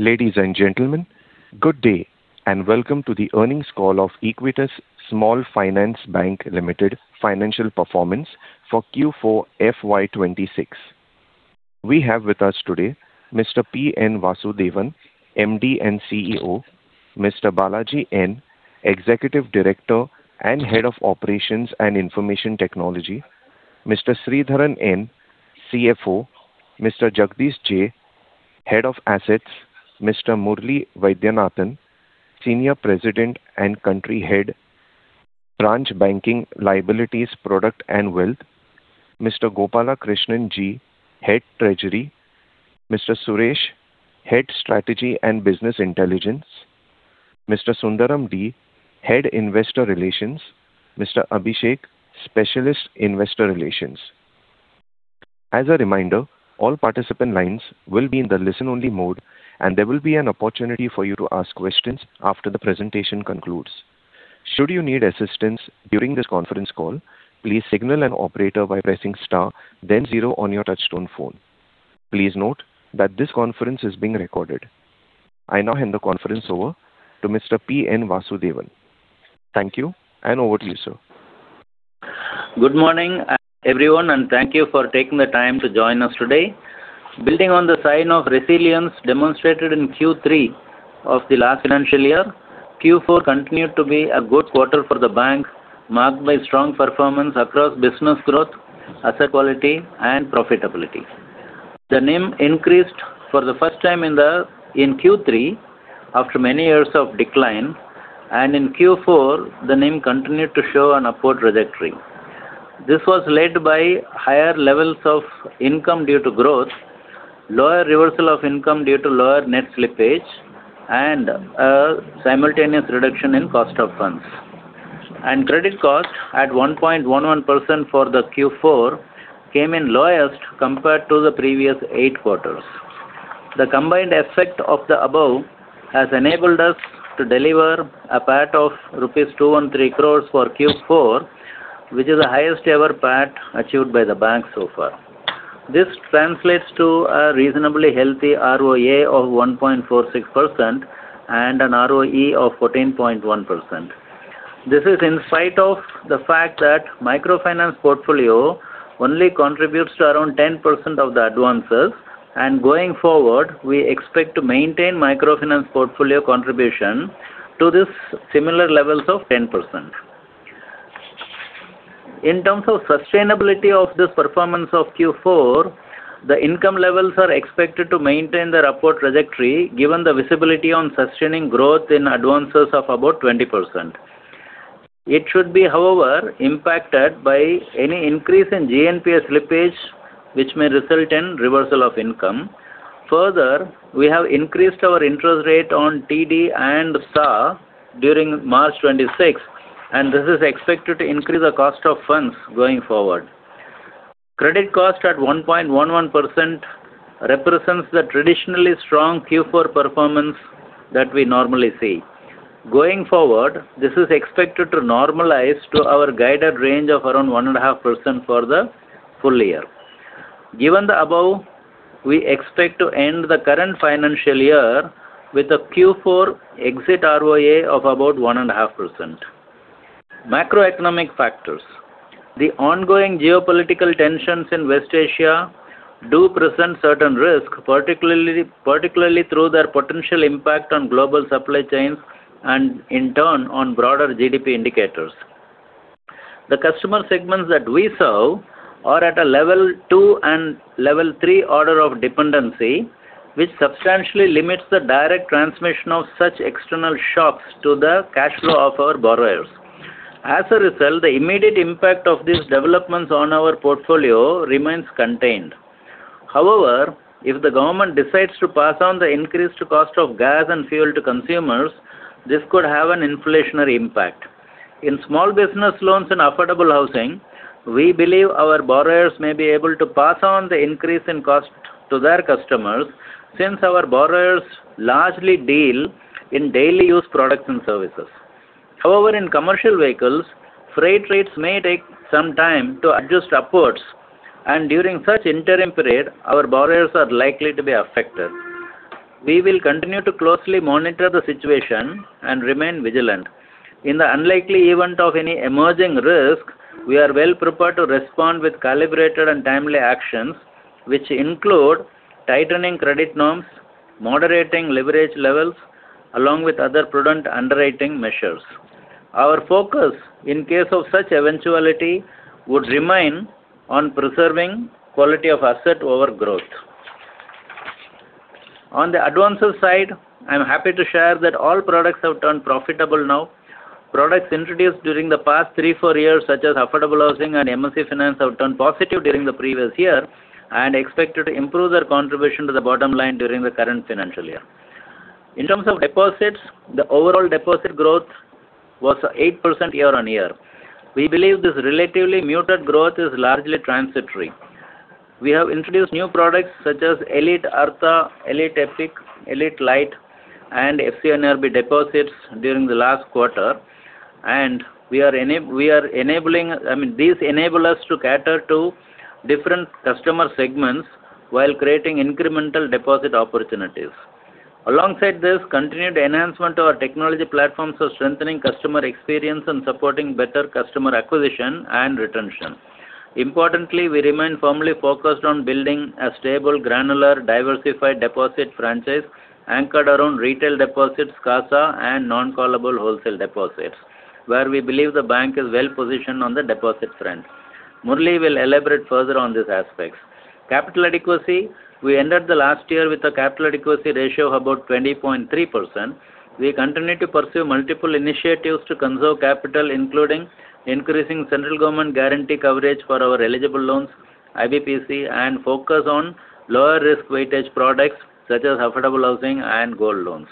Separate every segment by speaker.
Speaker 1: Ladies and gentlemen, good day and welcome to the earnings call of Equitas Small Finance Bank Limited financial performance for Q4 FY 2026. We have with us today Mr. P.N. Vasudevan, MD and CEO, Mr. Balaji N, Executive Director and Head of Operations and Information Technology, Mr. Sridharan N, CFO, Mr. Jagadesh J, Head of Assets, Mr. Murali Vaidyanathan, Senior President and Country Head, Branch Banking, Liabilities, Product and Wealth, Mr. Gopalakrishnan G, Head Treasury, Mr. Suresh, Head Strategy and Business Intelligence, Mr. Sundaram D, Head Investor Relations, Mr. Abhishek, Specialist Investor Relations. As a reminder, all participant lines will be in the listen only mode, and there will be an opportunity for you to ask questions after the presentation concludes. Should you need assistance during this conference call, please signal an operator by pressing star then zero on your touchtone phone. Please note that this conference is being recorded. I now hand the conference over to Mr. P. N. Vasudevan. Thank you, and over to you, sir.
Speaker 2: Good morning, everyone, and thank you for taking the time to join us today. Building on the sign of resilience demonstrated in Q3 of the last financial year, Q4 continued to be a good quarter for the bank, marked by strong performance across business growth, asset quality and profitability. The NIM increased for the first time in Q3 after many years of decline. In Q4, the NIM continued to show an upward trajectory. This was led by higher levels of income due to growth, lower reversal of income due to lower net slippage, and a simultaneous reduction in cost of funds. Credit cost at 1.11% for the Q4 came in lowest compared to the previous eight quarters. The combined effect of the above has enabled us to deliver a PAT of 2 rupees and rupees 3 crores for Q4, which is the highest ever PAT achieved by the bank so far. This translates to a reasonably healthy ROA of 1.46% and an ROE of 14.1%. This is in spite of the fact that microfinance portfolio only contributes to around 10% of the advances, and going forward, we expect to maintain microfinance portfolio contribution to this similar levels of 10%. In terms of sustainability of this performance of Q4, the income levels are expected to maintain their upward trajectory, given the visibility on sustaining growth in advances of about 20%. It should be, however, impacted by any increase in GNPA slippage, which may result in reversal of income. We have increased our interest rate on TD and SA during March 26, and this is expected to increase the cost of funds going forward. Credit cost at 1.11% represents the traditionally strong Q4 performance that we normally see. Going forward, this is expected to normalize to our guided range of around 1.5% for the full year. Given the above, we expect to end the current financial year with a Q4 exit ROA of about 1.5%. Macroeconomic factors. The ongoing geopolitical tensions in West Asia do present certain risk, particularly through their potential impact on global supply chains and in turn on broader GDP indicators. The customer segments that we serve are at a level two and level three order of dependency, which substantially limits the direct transmission of such external shocks to the cash flow of our borrowers. As a result, the immediate impact of these developments on our portfolio remains contained. However, if the government decides to pass on the increased cost of gas and fuel to consumers, this could have an inflationary impact. In Small Business Loans and affordable housing, we believe our borrowers may be able to pass on the increase in cost to their customers since our borrowers largely deal in daily use products and services. However, in commercial vehicles, freight rates may take some time to adjust upwards, and during such interim period, our borrowers are likely to be affected. We will continue to closely monitor the situation and remain vigilant. In the unlikely event of any emerging risk, we are well prepared to respond with calibrated and timely actions, which include tightening credit norms, moderating leverage levels, along with other prudent underwriting measures. Our focus in case of such eventuality would remain on preserving quality of asset over growth. On the advances side, I am happy to share that all products have turned profitable now. Products introduced during the past three, four years, such as affordable housing and MSE Finance, have turned positive during the previous year and expected to improve their contribution to the bottom line during the current financial year. In terms of deposits, the overall deposit growth was 8% year-on-year. We believe this relatively muted growth is largely transitory. We have introduced new products such as Elite Artha, Elite Epic, Elite Lite, and FCNR deposits during the last quarter. We are enabling, I mean, these enable us to cater to different customer segments while creating incremental deposit opportunities. Alongside this, continued enhancement to our technology platforms are strengthening customer experience and supporting better customer acquisition and retention. Importantly, we remain firmly focused on building a stable, granular, diversified deposit franchise anchored around retail deposits, CASA and non-callable wholesale deposits, where we believe the bank is well-positioned on the deposit front. Murali will elaborate further on these aspects. Capital adequacy, we ended the last year with a capital adequacy ratio of about 20.3%. We continue to pursue multiple initiatives to conserve capital, including increasing central government guarantee coverage for our eligible loans, IBPC, and focus on lower risk weightage products, such as affordable housing and gold loans.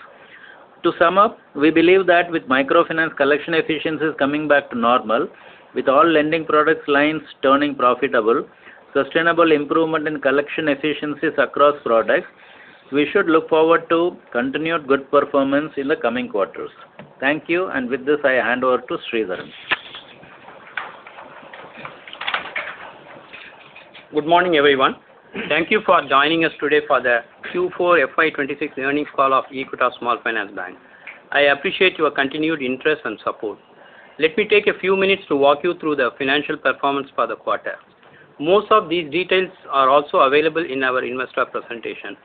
Speaker 2: To sum up, we believe that with microfinance collection efficiencies coming back to normal, with all lending products lines turning profitable, sustainable improvement in collection efficiencies across products, we should look forward to continued good performance in the coming quarters. Thank you, and with this, I hand over to Sridharan.
Speaker 3: Good morning, everyone. Thank you for joining us today for the Q4 FY 2026 earnings call of Equitas Small Finance Bank. I appreciate your continued interest and support. Let me take a few minutes to walk you through the financial performance for the quarter. Most of these details are also available in our investor presentation.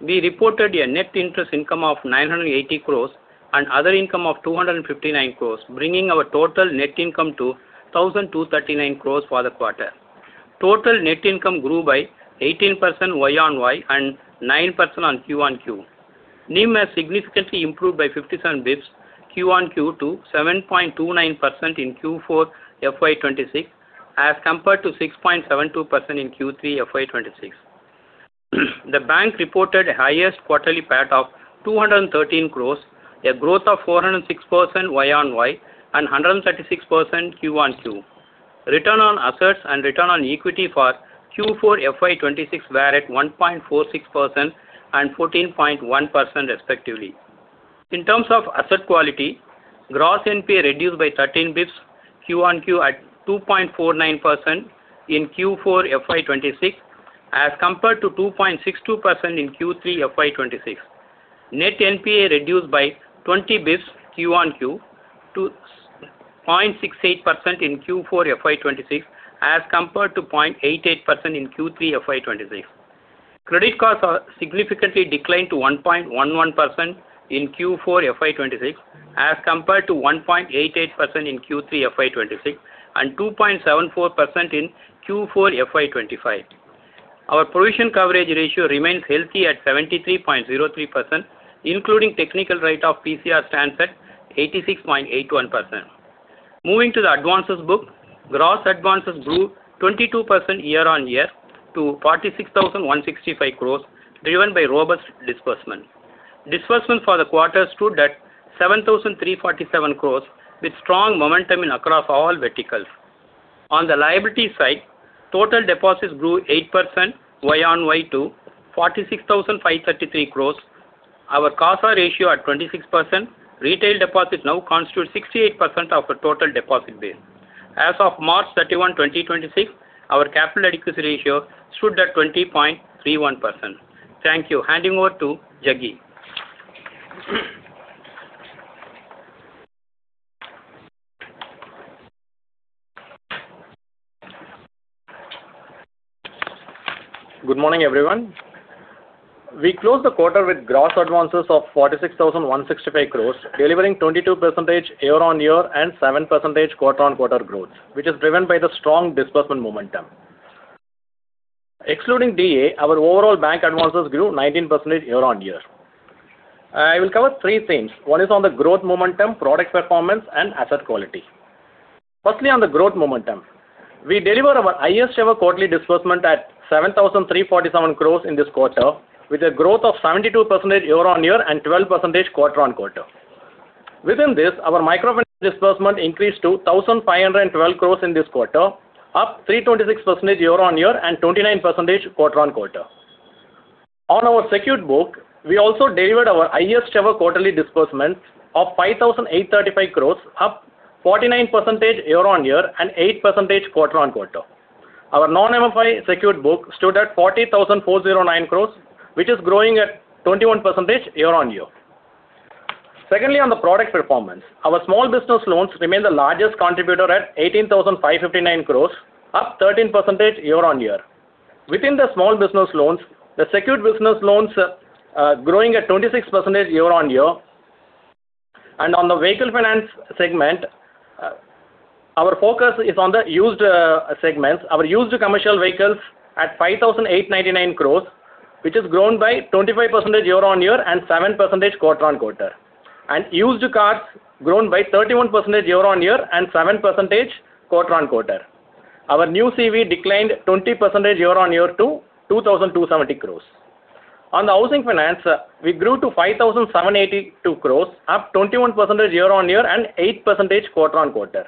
Speaker 3: We reported a net interest income of 980 crores and other income of 259 crores, bringing our total net income to 1,239 crores for the quarter. Total net income grew by 18% year-on-year and 9% on Q-on-Q. NIM has significantly improved by 57 bps Q-on-Q to 7.29% in Q4 FY 2026, as compared to 6.72% in Q3 FY 2026. The bank reported highest quarterly PAT of 213 crore, a growth of 406% year-over-year and 136% Q-on-Q. Return on assets and return on equity for Q4 FY 2026 were at 1.46% and 14.1% respectively. In terms of asset quality, gross NPA reduced by 13 basis points Q-on-Q at 2.49% in Q4 FY 2026, as compared to 2.62% in Q3 FY 2026. Net NPA reduced by 20 basis points Q-on-Q to 0.68% in Q4 FY 2026, as compared to 0.88% in Q3 FY 2026. Credit costs are significantly declined to 1.11% in Q4 FY 2026, as compared to 1.88% in Q3 FY 2026 and 2.74% in Q4 FY 2025. Our provision coverage ratio remains healthy at 73.03%, including technical rate of PCR stands at 86.81%. Moving to the advances book, gross advances grew 22% year-on-year to 46,165 crores, driven by robust disbursement. Disbursement for the quarter stood at 7,347 crores with strong momentum in across all verticals. On the liability side, total deposits grew 8% year-on-year to 46,533 crores. Our CASA ratio at 26%. Retail deposit now constitutes 68% of the total deposit base. As of March 31, 2026, our capital adequacy ratio stood at 20.31%. Thank you. Handing over to Jagi.
Speaker 4: Good morning, everyone. We closed the quarter with gross advances of 46,165 crores, delivering 22% year-on-year and 7% quarter-on-quarter growth, which is driven by the strong disbursement momentum. Excluding DA, our overall bank advances grew 19% year-on-year. I will cover three things. One is on the growth momentum, product performance, and asset quality. Firstly, on the growth momentum. We deliver our highest ever quarterly disbursement at 7,347 crores in this quarter, with a growth of 72% year-on-year and 12% quarter-on-quarter. Within this, our microfinance disbursement increased to 1,512 crores in this quarter, up 326% year-on-year and 29% quarter-on-quarter. On our secured book, we also delivered our highest ever quarterly disbursement of 5,835 crores, up 49% year-on-year and 8% quarter-on-quarter. Our non-MFI secured book stood at 40,409 crores, which is growing at 21% year-on-year. Secondly, on the product performance. Our Small Business Loans remain the largest contributor at 18,559 crores, up 13% year-on-year. Within the Small Business Loans, the secured business loans growing at 26% year-on-year. On the vehicle finance segment, our focus is on the used segments. Our used commercial vehicles at 5,899 crores, which has grown by 25% year-on-year and 7% quarter-on-quarter. Used cars grown by 31% year-on-year and 7% quarter-on-quarter. Our new CV declined 20% year-on-year to 2,270 crores. On the housing finance, we grew to 5,782 crores, up 21% year-on-year and 8%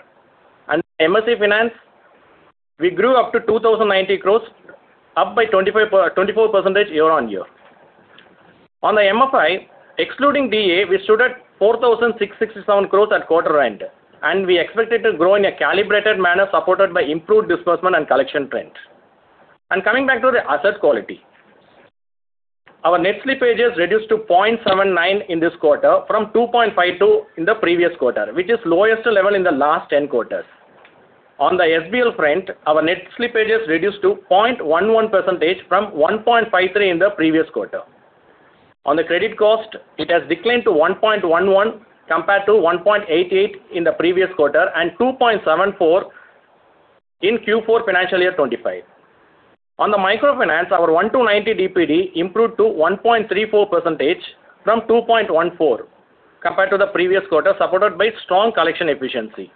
Speaker 4: quarter-on-quarter. MSE Finance, we grew up to 2,090 crores, up by 24% year-on-year. On the MFI, excluding DA, we stood at 4,667 crores at quarter end. We expect it to grow in a calibrated manner supported by improved disbursement and collection trends. Coming back to the asset quality. Our net slippage has reduced to 0.79% in this quarter from 2.52% in the previous quarter, which is lowest level in the last 10 quarters. On the SBL front, our net slippage has reduced to 0.11% from 1.53% in the previous quarter. On the credit cost, it has declined to 1.11% compared to 1.88% in the previous quarter and 2.74% in Q4 FY 2025. On the microfinance, our 1-290 DPD improved to 1.34% from 2.14% compared to the previous quarter, supported by strong collection efficiency.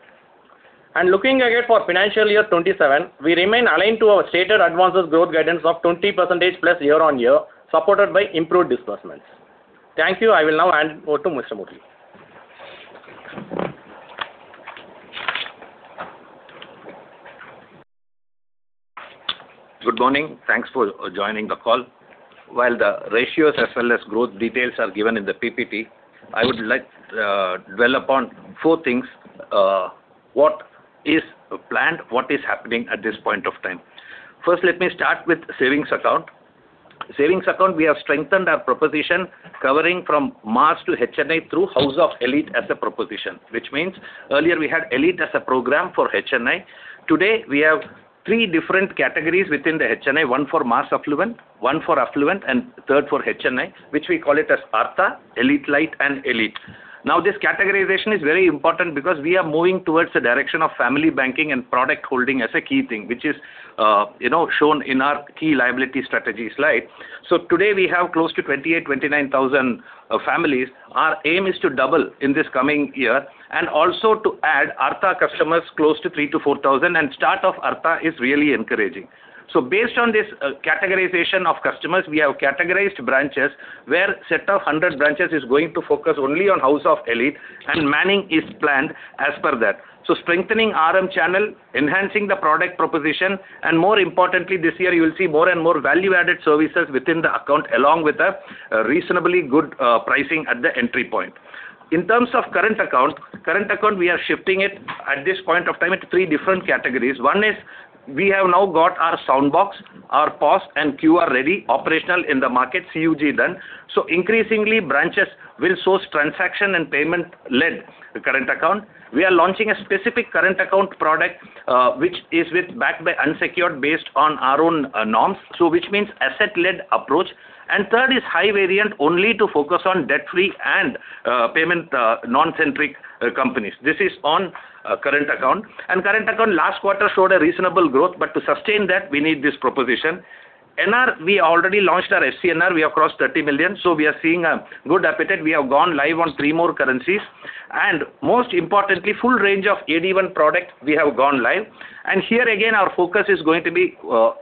Speaker 4: Looking ahead for financial year 2027, we remain aligned to our stated advances growth guidance of 20%+ year-on-year, supported by improved disbursements. Thank you. I will now hand over to Mr. Murali.
Speaker 5: Good morning. Thanks for joining the call. While the ratios as well as growth details are given in the PPT, I would like to dwell upon four things. What is planned, what is happening at this point of time. First, let me start with savings account. Savings account, we have strengthened our proposition covering from mass to HNI through House of Elite as a proposition, which means earlier we had Elite as a program for HNI. Today, we have three different categories within the HNI, one for mass affluent, one for affluent, and third for HNI, which we call it as Artha, Elite LITE, and Elite. Now, this categorization is very important because we are moving towards the direction of family banking and product holding as a key thing, which is, you know, shown in our key liability strategy slide. Today, we have close to 28,000, 29,000 families. Our aim is to double in this coming year and also to add Elite Artha customers close to 3,000-4,000, and start of Elite Artha is really encouraging. Based on this categorization of customers, we have categorized branches where set of 100 branches is going to focus only on House of Elite and manning is planned as per that. Strengthening RM channel, enhancing the product proposition, and more importantly, this year you will see more and more value-added services within the account along with a reasonably good pricing at the entry point. In terms of current account, we are shifting it at this point of time into three different categories. One is we have now got our Soundbox, our POS and QR ready, operational in the market, CUG done. Increasingly, branches will source transaction and payment-led current account. We are launching a specific current account product, which is with backed by unsecured based on our own norms, which means asset-led approach. Third is high variant only to focus on debt-free and payment non-centric companies. This is on current account. Current account last quarter showed a reasonable growth, but to sustain that, we need this proposition. NR, we already launched our SC NR. We have crossed 30 million, we are seeing a good appetite. We have gone live on three more currencies. Most importantly, full range of AD1 product we have gone live. Here again, our focus is going to be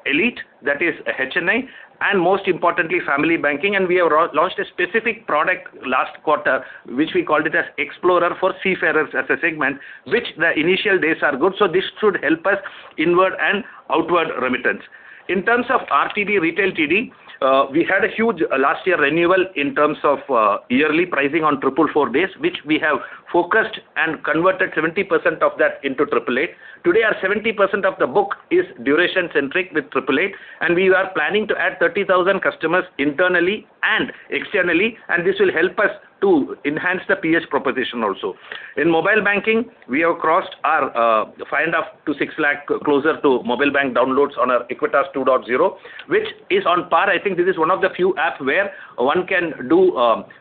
Speaker 5: Elite, that is HNI, and most importantly, family banking. We have launched a specific product last quarter, which we called it as Explorer for seafarers as a segment, which the initial days are good. This should help us inward and outward remittance. In terms of RTD, retail TD, we had a huge last year renewal in terms of yearly pricing on 444 days, which we have focused and converted 70% of that into 888 days. Today, our 70% of the book is duration-centric with 888 days, and we are planning to add 30,000 customers internally and externally, and this will help us to enhance the PH proposition also. In mobile banking, we have crossed our 5 lakh to 6 lakh closer to mobile bank downloads on our Equitas 2.0, which is on par. I think this is one of the few app where one can do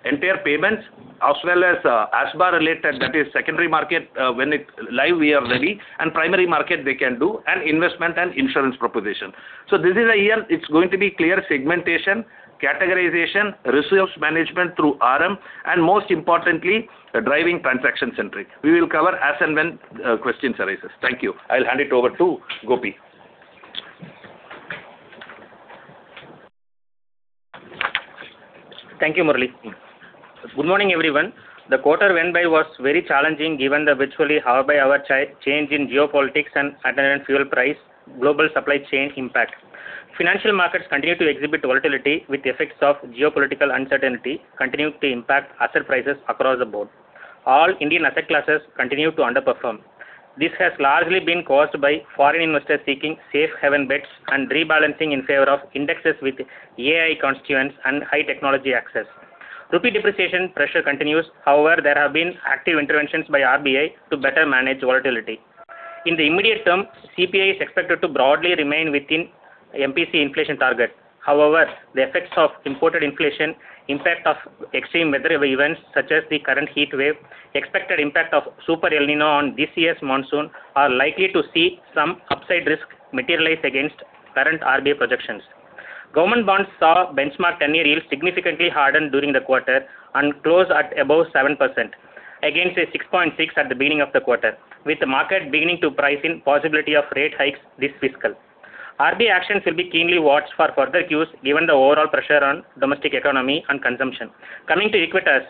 Speaker 5: UPI payments as well as ASBA related, that is secondary market, when it live, we are ready, and primary market they can do, and investment and insurance proposition. This is a year it's going to be clear segmentation, categorization, resource management through RM, and most importantly, driving transaction-centric. We will cover as and when questions arises. Thank you. I'll hand it over to Gopi.
Speaker 6: Thank you, Murali. Good morning, everyone. The quarter went by was very challenging given the virtually hour by hour change in geopolitics and attendant fuel price, global supply chain impact. Financial markets continue to exhibit volatility with effects of geopolitical uncertainty continue to impact asset prices across the board. All Indian asset classes continue to underperform. This has largely been caused by foreign investors seeking safe haven bets and rebalancing in favor of indexes with AI constituents and high technology access. Rupee depreciation pressure continues. There have been active interventions by RBI to better manage volatility. In the immediate term, CPI is expected to broadly remain within MPC inflation target. The effects of imported inflation, impact of extreme weather events such as the current heatwave, expected impact of super El Niño on this year's monsoon are likely to see some upside risk materialize against current RBI projections. Government bonds saw benchmark 10-year yields significantly harden during the quarter and close at above 7% against a 6.6% at the beginning of the quarter, with the market beginning to price in possibility of rate hikes this fiscal. RBI actions will be keenly watched for further cues given the overall pressure on domestic economy and consumption. Coming to Equitas,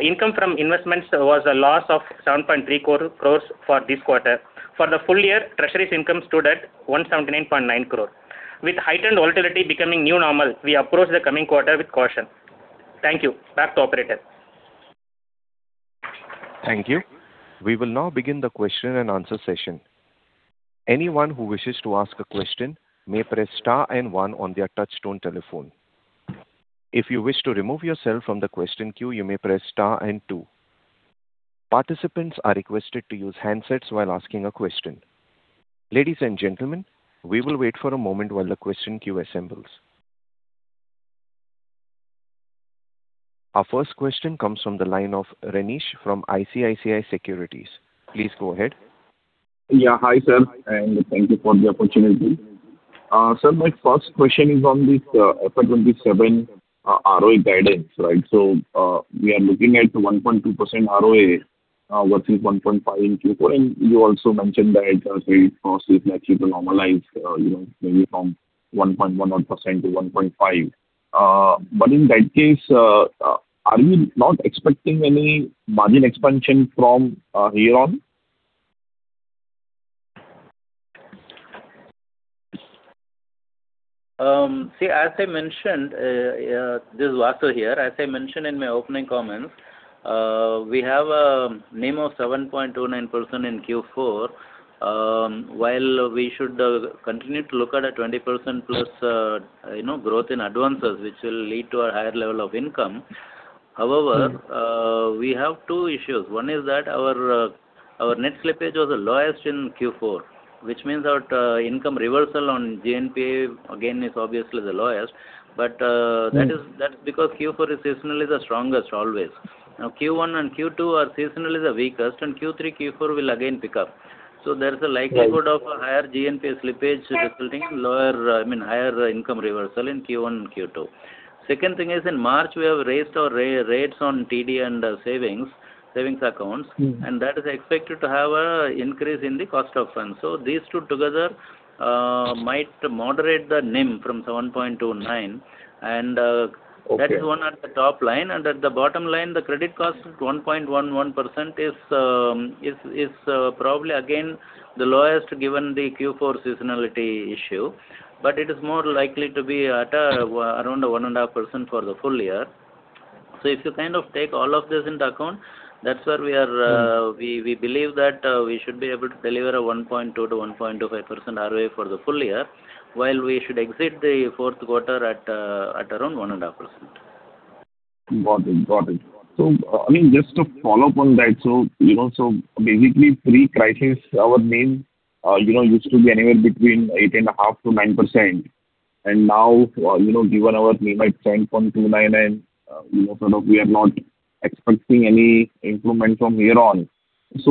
Speaker 6: income from investments was a loss of 7.3 crore for this quarter. For the full year, treasuries income stood at 179.9 crore. With heightened volatility becoming new normal, we approach the coming quarter with caution. Thank you. Back to operator.
Speaker 1: Thank you. We will now begin the question and answer session. Anyone who wishes to ask a question may press star and one on their touchtone telephone. If you wish to remove yourself from the question queue, you may press star and two. Participants are requested to use handsets while asking a question. Ladies and gentlemen, we will wait for a moment while the question queue assembles. Our first question comes from the line of Renish from ICICI Securities. Please go ahead.
Speaker 7: Hi, sir, and thank you for the opportunity. Sir, my first question is on this FY 2027 ROE guidance, right? We are looking at 1.2% ROA versus 1.5 in Q4, and you also mentioned that, say, for CASA actually to normalize, you know, maybe from 1.11%-1.5%. In that case, are you not expecting any margin expansion from hereon?
Speaker 2: See, as I mentioned, this is Vasu here. As I mentioned in my opening comments, we have a NIM of 7.29% in Q4. While we should continue to look at a 20%+ you know, growth in advances, which will lead to a higher level of income. However-
Speaker 7: Mm-hmm.
Speaker 2: We have two issues. One is that our net slippage was the lowest in Q4, which means that income reversal on GNPA again is obviously the lowest.
Speaker 7: Mm-hmm.
Speaker 2: That is, that's because Q4 is seasonally the strongest always. Q1 and Q2 are seasonally the weakest, and Q3, Q4 will again pick up. There is a likelihood.
Speaker 7: Right.
Speaker 2: Of a higher GNPA slippage resulting in lower, I mean, higher income reversal in Q1 and Q2. Second thing is in March, we have raised our rates on TD and savings accounts.
Speaker 7: Mm-hmm.
Speaker 2: That is expected to have a increase in the cost of funds. These two together might moderate the NIM from 7.29%.
Speaker 7: Okay.
Speaker 2: That is one at the top line. At the bottom line, the credit cost at 1.11% is probably again the lowest given the Q4 seasonality issue. It is more likely to be at around 1.5% for the full year. If you kind of take all of this into account, that's where we are.
Speaker 7: Mm-hmm.
Speaker 2: We believe that we should be able to deliver a 1.2%-1.25% ROA for the full year, while we should exit the fourth quarter at around 1.5%.
Speaker 7: Got it. Got it. I mean, just to follow up on that, so, you know, basically pre-crisis our NIM, you know, used to be anywhere between 8.5%-9%. Now, you know, given our NIM at 7.29% and, you know, sort of we are not expecting any improvement from here on. Does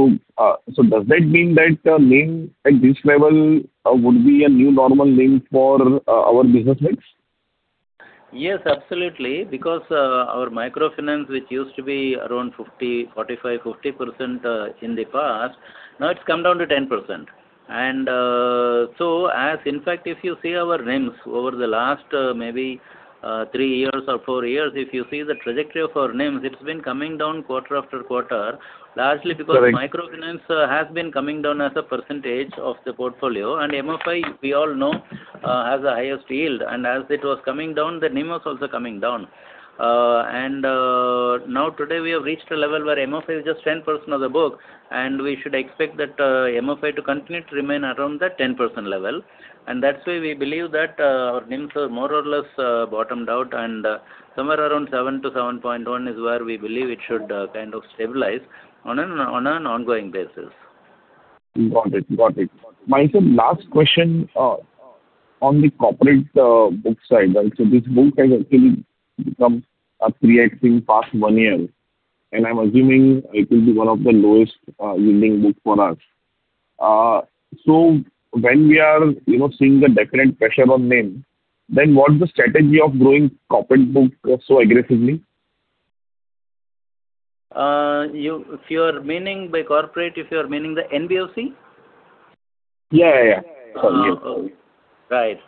Speaker 7: that mean that, NIM at this level, would be a new normal NIM for, our business mix?
Speaker 2: Yes, absolutely. Because our microfinance, which used to be around 50, 45, 50%, in the past, now it's come down to 10%. As in fact, if you see our NIMs over the last, maybe, three years or four years, if you see the trajectory of our NIMs, it's been coming down quarter after quarter, largely because.
Speaker 7: Correct.
Speaker 2: Microfinance has been coming down as a percentage of the portfolio. MFI, we all know, has the highest yield. As it was coming down, the NIM was also coming down. Now today we have reached a level where MFI is just 10% of the book, and we should expect that MFI to continue to remain around that 10% level. That's why we believe that our NIMs are more or less bottomed out and somewhere around 7%-7.1% is where we believe it should kind of stabilize on an ongoing basis.
Speaker 7: Got it. Got it. My, sir, last question on the corporate book side. This book has actually become pre-existing past one year, and I'm assuming it will be one of the lowest yielding book for us. What's the strategy of growing corporate book so aggressively?
Speaker 2: If you are meaning by corporate, if you are meaning the NBFC?
Speaker 7: Yeah, yeah. Totally.
Speaker 2: Right.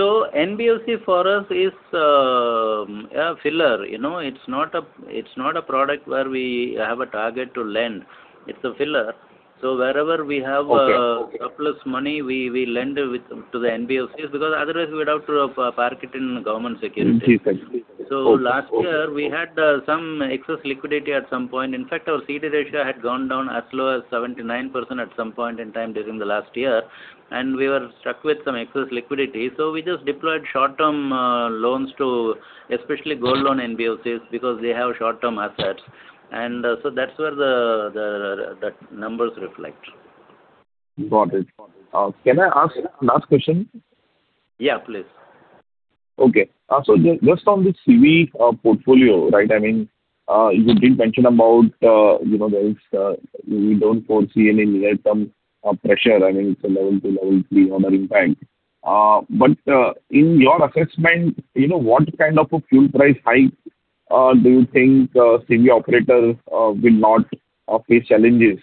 Speaker 2: NBFC for us is a filler, you know? It's not a product where we have a target to lend. It's a filler. Wherever we have.
Speaker 7: Okay. Okay.
Speaker 2: Surplus money, we lend to the NBFCs because otherwise we would have to park it in government securities.
Speaker 7: Mm-hmm. Exactly. Okay. Okay.
Speaker 2: Last year we had some excess liquidity at some point. In fact, our CDR ratio had gone down as low as 79% at some point in time during the last year, and we were stuck with some excess liquidity. We just deployed short-term loans to especially Gold Loan NBFCs because they have short-term assets. That's where that numbers reflect.
Speaker 7: Got it. Can I ask last question?
Speaker 2: Yeah, please.
Speaker 7: Okay. Just on the CV portfolio, right? I mean, you did mention about, you know, there is, we don't foresee any near-term pressure. I mean, it's a level two, level three honoring bank. In your assessment, you know, what kind of a fuel price hike do you think CV operators will not face challenges?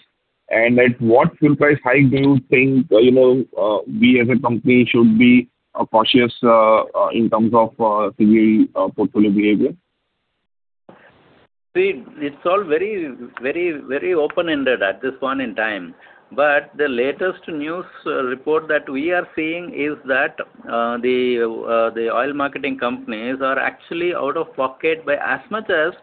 Speaker 7: At what fuel price hike do you think, you know, we as a company should be cautious in terms of CV portfolio behavior?
Speaker 2: See, it's all very open-ended at this point in time. The latest news report that we are seeing is that the oil marketing companies are actually out of pocket by as much as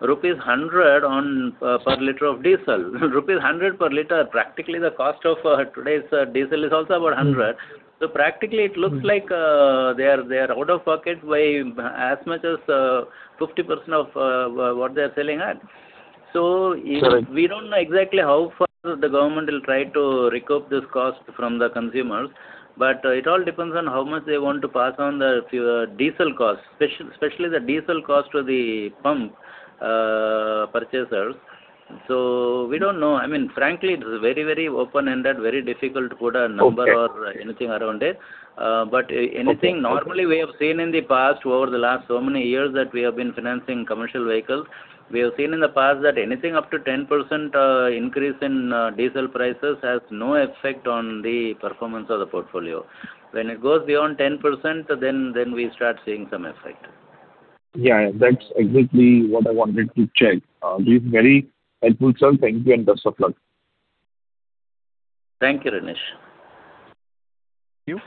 Speaker 2: rupees 100 on per liter of diesel. Rupees 100 per liter. Practically, the cost of today's diesel is also about 100. Practically it looks like they are out of pocket by as much as 50% of what they are selling at.
Speaker 7: Correct.
Speaker 2: We don't know exactly how far the government will try to recoup this cost from the consumers, but it all depends on how much they want to pass on the diesel cost, especially the diesel cost to the pump purchasers. We don't know. I mean, frankly, it's very, very open-ended, very difficult to put a number.
Speaker 7: Okay.
Speaker 2: -or anything around it. but anything-
Speaker 7: Okay.
Speaker 2: Normally, we have seen in the past over the last so many years that we have been financing commercial vehicles, we have seen in the past that anything up to 10% increase in diesel prices has no effect on the performance of the portfolio. When it goes beyond 10%, then we start seeing some effect.
Speaker 7: Yeah, that's exactly what I wanted to check. This is very helpful, sir. Thank you and best of luck.
Speaker 2: Thank you, Renish.
Speaker 1: Thank you.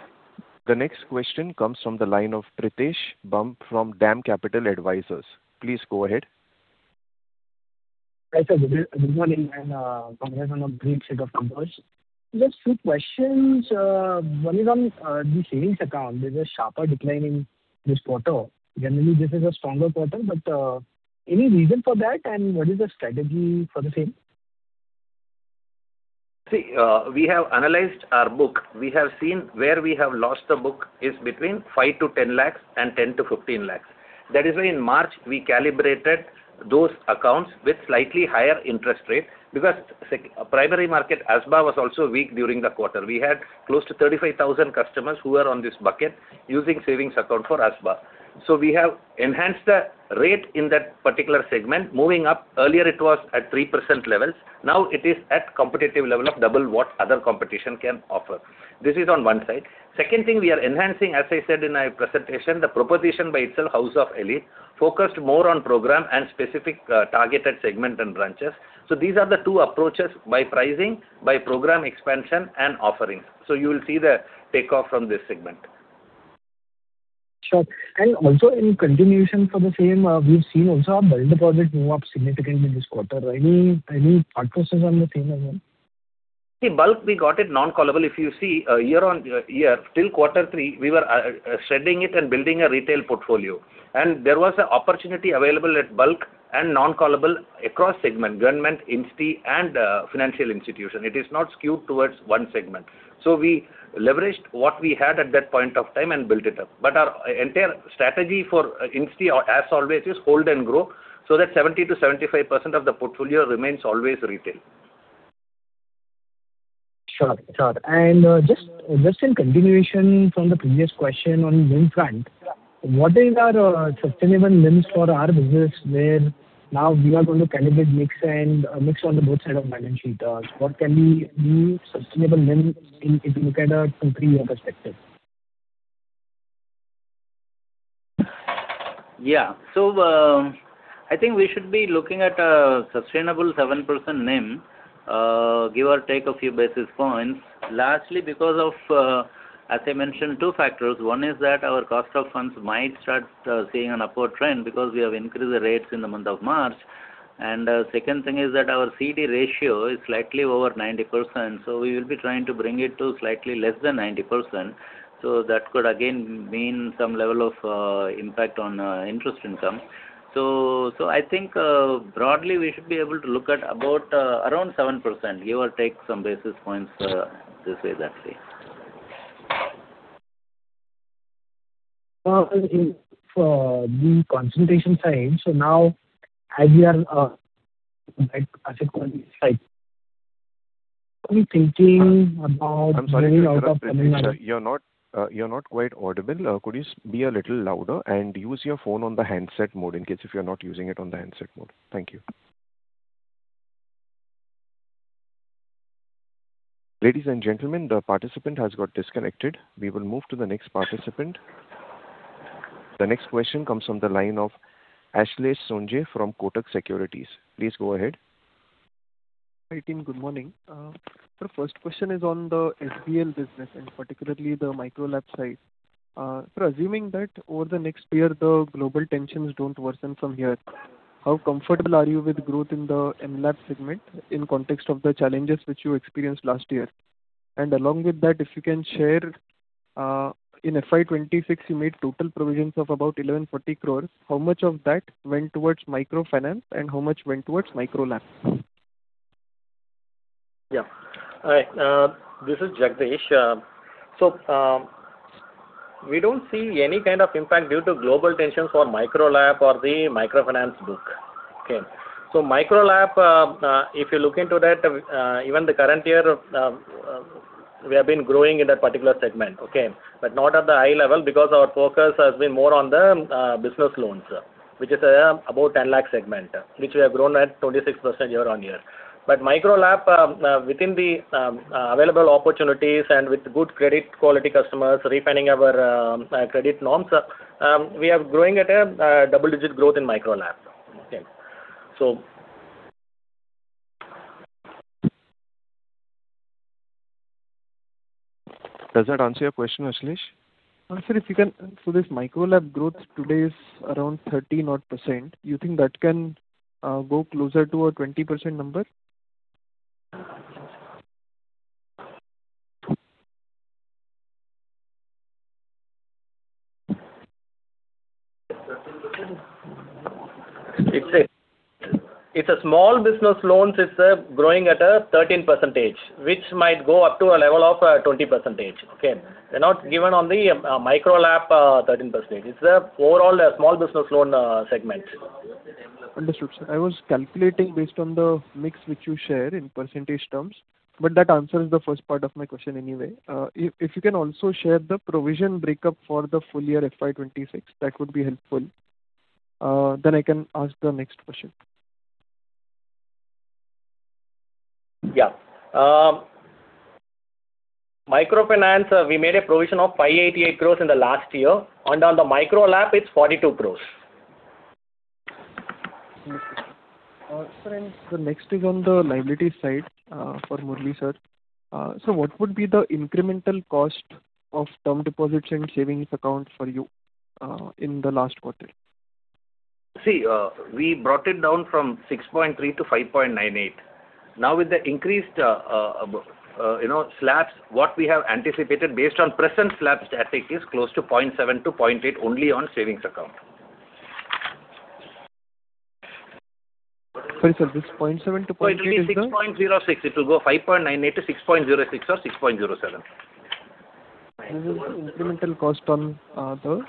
Speaker 1: The next question comes from the line of Pritesh Bumb from DAM Capital Advisors. Please go ahead.
Speaker 8: Hi, sir. Good morning and congratulations on a great set of numbers. Just two questions. One is on the savings account. There's a sharper decline in this quarter. Generally, this is a stronger quarter, but any reason for that? What is the strategy for the same?
Speaker 5: We have analyzed our book. We have seen where we have lost the book is between 5-10 lakhs and 10-15 lakhs. In March we calibrated those accounts with slightly higher interest rate because the primary market ASBA was also weak during the quarter. We had close to 35,000 customers who were on this bucket using savings account for ASBA. We have enhanced the rate in that particular segment. Moving up, earlier it was at 3% levels. Now it is at competitive level of double what other competition can offer. This is on one side. Second thing, we are enhancing, as I said in my presentation, the proposition by itself, House of Elite, focused more on program and specific targeted segment and branches. These are the two approaches by pricing, by program expansion and offerings. You will see the takeoff from this segment.
Speaker 8: Sure. Also in continuation for the same, we've seen also our bulk deposit move up significantly this quarter. Any thought process on the same as well?
Speaker 5: Bulk, we got it non-callable. If you see, year-on-year, till quarter three, we were shedding it and building a retail portfolio. There was a opportunity available at bulk and non-callable across segment, government, insti, and financial institution. It is not skewed towards one segment. We leveraged what we had at that point of time and built it up. Our entire strategy for insti, as always, is hold and grow so that 70%-75% of the portfolio remains always retail.
Speaker 8: Sure. Sure. Just in continuation from the previous question on NIM front.
Speaker 5: Yeah.
Speaker 8: What is our sustainable NIMs for our business where now we are going to calibrate mix and mix on the both side of balance sheet? What can be the sustainable NIM if you look at a two, three year perspective?
Speaker 2: Yeah. I think we should be looking at a sustainable 7% NIM, give or take a few basis points. Lastly, because of, as I mentioned, two factors. One is that our cost of funds might start seeing an upward trend because we have increased the rates in the month of March. Second thing is that our CD ratio is slightly over 90%, so we will be trying to bring it to slightly less than 90%. That could again mean some level of impact on interest income. I think, broadly, we should be able to look at about around 7%, give or take some basis points, this way, that way.
Speaker 8: In the concentration side, now as we are, right asset quality side, are we thinking about getting out of-
Speaker 1: I'm sorry to interrupt, Pritesh. You're not quite audible. Could you be a little louder and use your phone on the handset mode in case if you're not using it on the handset mode? Thank you. Ladies and gentlemen, the participant has got disconnected. We will move to the next participant. The next question comes from the line of Ashlesh Sonje from Kotak Securities. Please go ahead.
Speaker 9: Hi, team. Good morning. First question is on the SBL business and particularly the Micro LAP side. Assuming that over the next year, the global tensions don't worsen from here, how comfortable are you with growth in the MLAP segment in context of the challenges which you experienced last year? Along with that, if you can share, in FY 2026, you made total provisions of about 1,140 crores. How much of that went towards microfinance and how much went towards Micro LAP?
Speaker 4: Yeah. All right. This is Jagadesh. We don't see any kind of impact due to global tensions for Micro LAP or the microfinance book. Okay. Micro LAP, if you look into that, even the current year, we have been growing in that particular segment. Okay. Not at the high level because our focus has been more on the business loans. Which is about 10 lakh segment, which we have grown at 26% year-on-year. Micro LAP, within the available opportunities and with good credit quality customers refining our credit norms, we have growing at a double-digit growth in Micro LAP. Okay. Does that answer your question, Ashlesh?
Speaker 9: This Micro LAP growth today is around 13-odd percent. You think that can go closer to a 20% number?
Speaker 4: It's a Small Business Loans. It's growing at a 13%, which might go up to a level of 20%. Okay. They're not given on the Micro LAP, 13%. It's the overall Small Business Loan segment.
Speaker 9: Understood, sir. I was calculating based on the mix which you shared in percentage terms, but that answers the first part of my question anyway. If you can also share the provision breakup for the full year FY 2026, that would be helpful. I can ask the next question.
Speaker 4: Yeah. Microfinance, we made a provision of 588 crores in the last year, and on the Micro LAP it's 42 crores.
Speaker 9: Sir, the next is on the liability side, for Murali sir. What would be the incremental cost of term deposits and savings accounts for you in the last quarter?
Speaker 5: We brought it down from 6.3%-5.98%. Now, with the increased, you know, slabs, what we have anticipated based on present slabs static is close to 0.7%-0.8% only on savings account.
Speaker 9: Sorry, sir, this 0.7%-0.8% is.
Speaker 5: It will be 6.06%. It will go 5.98%-6.06% or 6.07%.
Speaker 9: This is incremental cost on the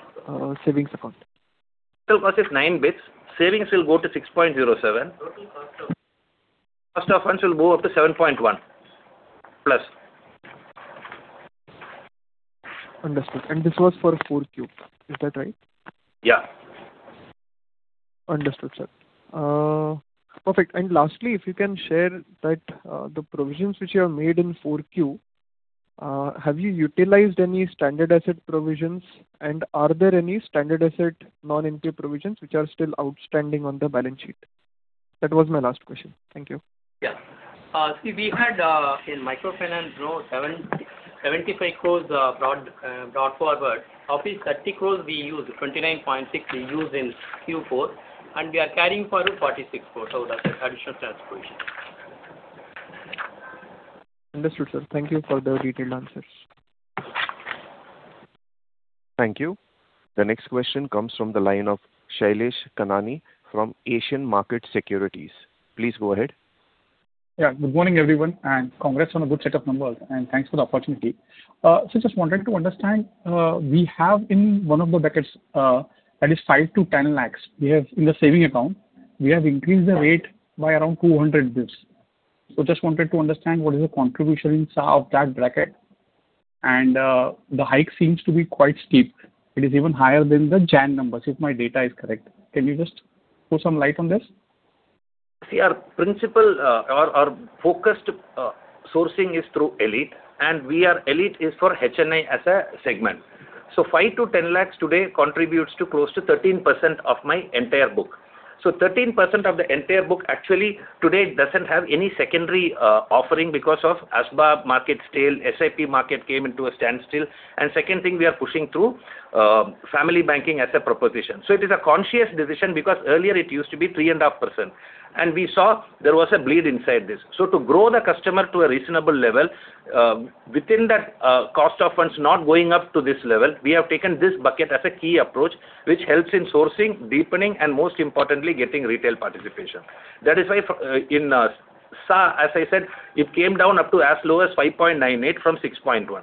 Speaker 9: savings account.
Speaker 3: Total cost is 9 basis points. Savings will go to 6.07%. Cost of funds will go up to 7.1% plus.
Speaker 9: Understood. This was for 4Q. Is that right?
Speaker 3: Yeah.
Speaker 9: Understood, sir. Perfect. Lastly, if you can share that, the provisions which you have made in 4Q, have you utilized any standard asset provisions? Are there any standard asset non-NPA provisions which are still outstanding on the balance sheet? That was my last question. Thank you.
Speaker 3: Yeah. See, we had in microfinance grow 775 crores brought forward. Of this 30 crores we used, 29.6 crores we used in Q4. We are carrying forward 46 crores out of the additional transfer provision.
Speaker 9: Understood, sir. Thank you for the detailed answers.
Speaker 1: Thank you. The next question comes from the line of Shailesh Kanani from Asian Market Securities. Please go ahead.
Speaker 10: Good morning, everyone, and congrats on a good set of numbers, and thanks for the opportunity. Just wanted to understand, we have in one of the buckets, that is 5-10 lakhs, we have in the savings account, we have increased the rate by around 200 basis points. Just wanted to understand what is the contribution in of that bracket and the hike seems to be quite steep. It is even higher than the January numbers, if my data is correct. Can you just throw some light on this?
Speaker 5: See, our principle, our focused sourcing is through Elite. Elite is for HNI as a segment. 5 lakhs-10 lakhs today contributes to close to 13% of my entire book. 13% of the entire book actually today doesn't have any secondary offering because of ASBA market stale, SIP market came into a standstill. Second thing, we are pushing through family banking as a proposition. It is a conscious decision because earlier it used to be 3.5%, and we saw there was a bleed inside this. To grow the customer to a reasonable level, within that cost of funds not going up to this level, we have taken this bucket as a key approach, which helps in sourcing, deepening, and most importantly, getting retail participation. That is why in SA, as I said, it came down up to as low as 5.98% from 6.1%.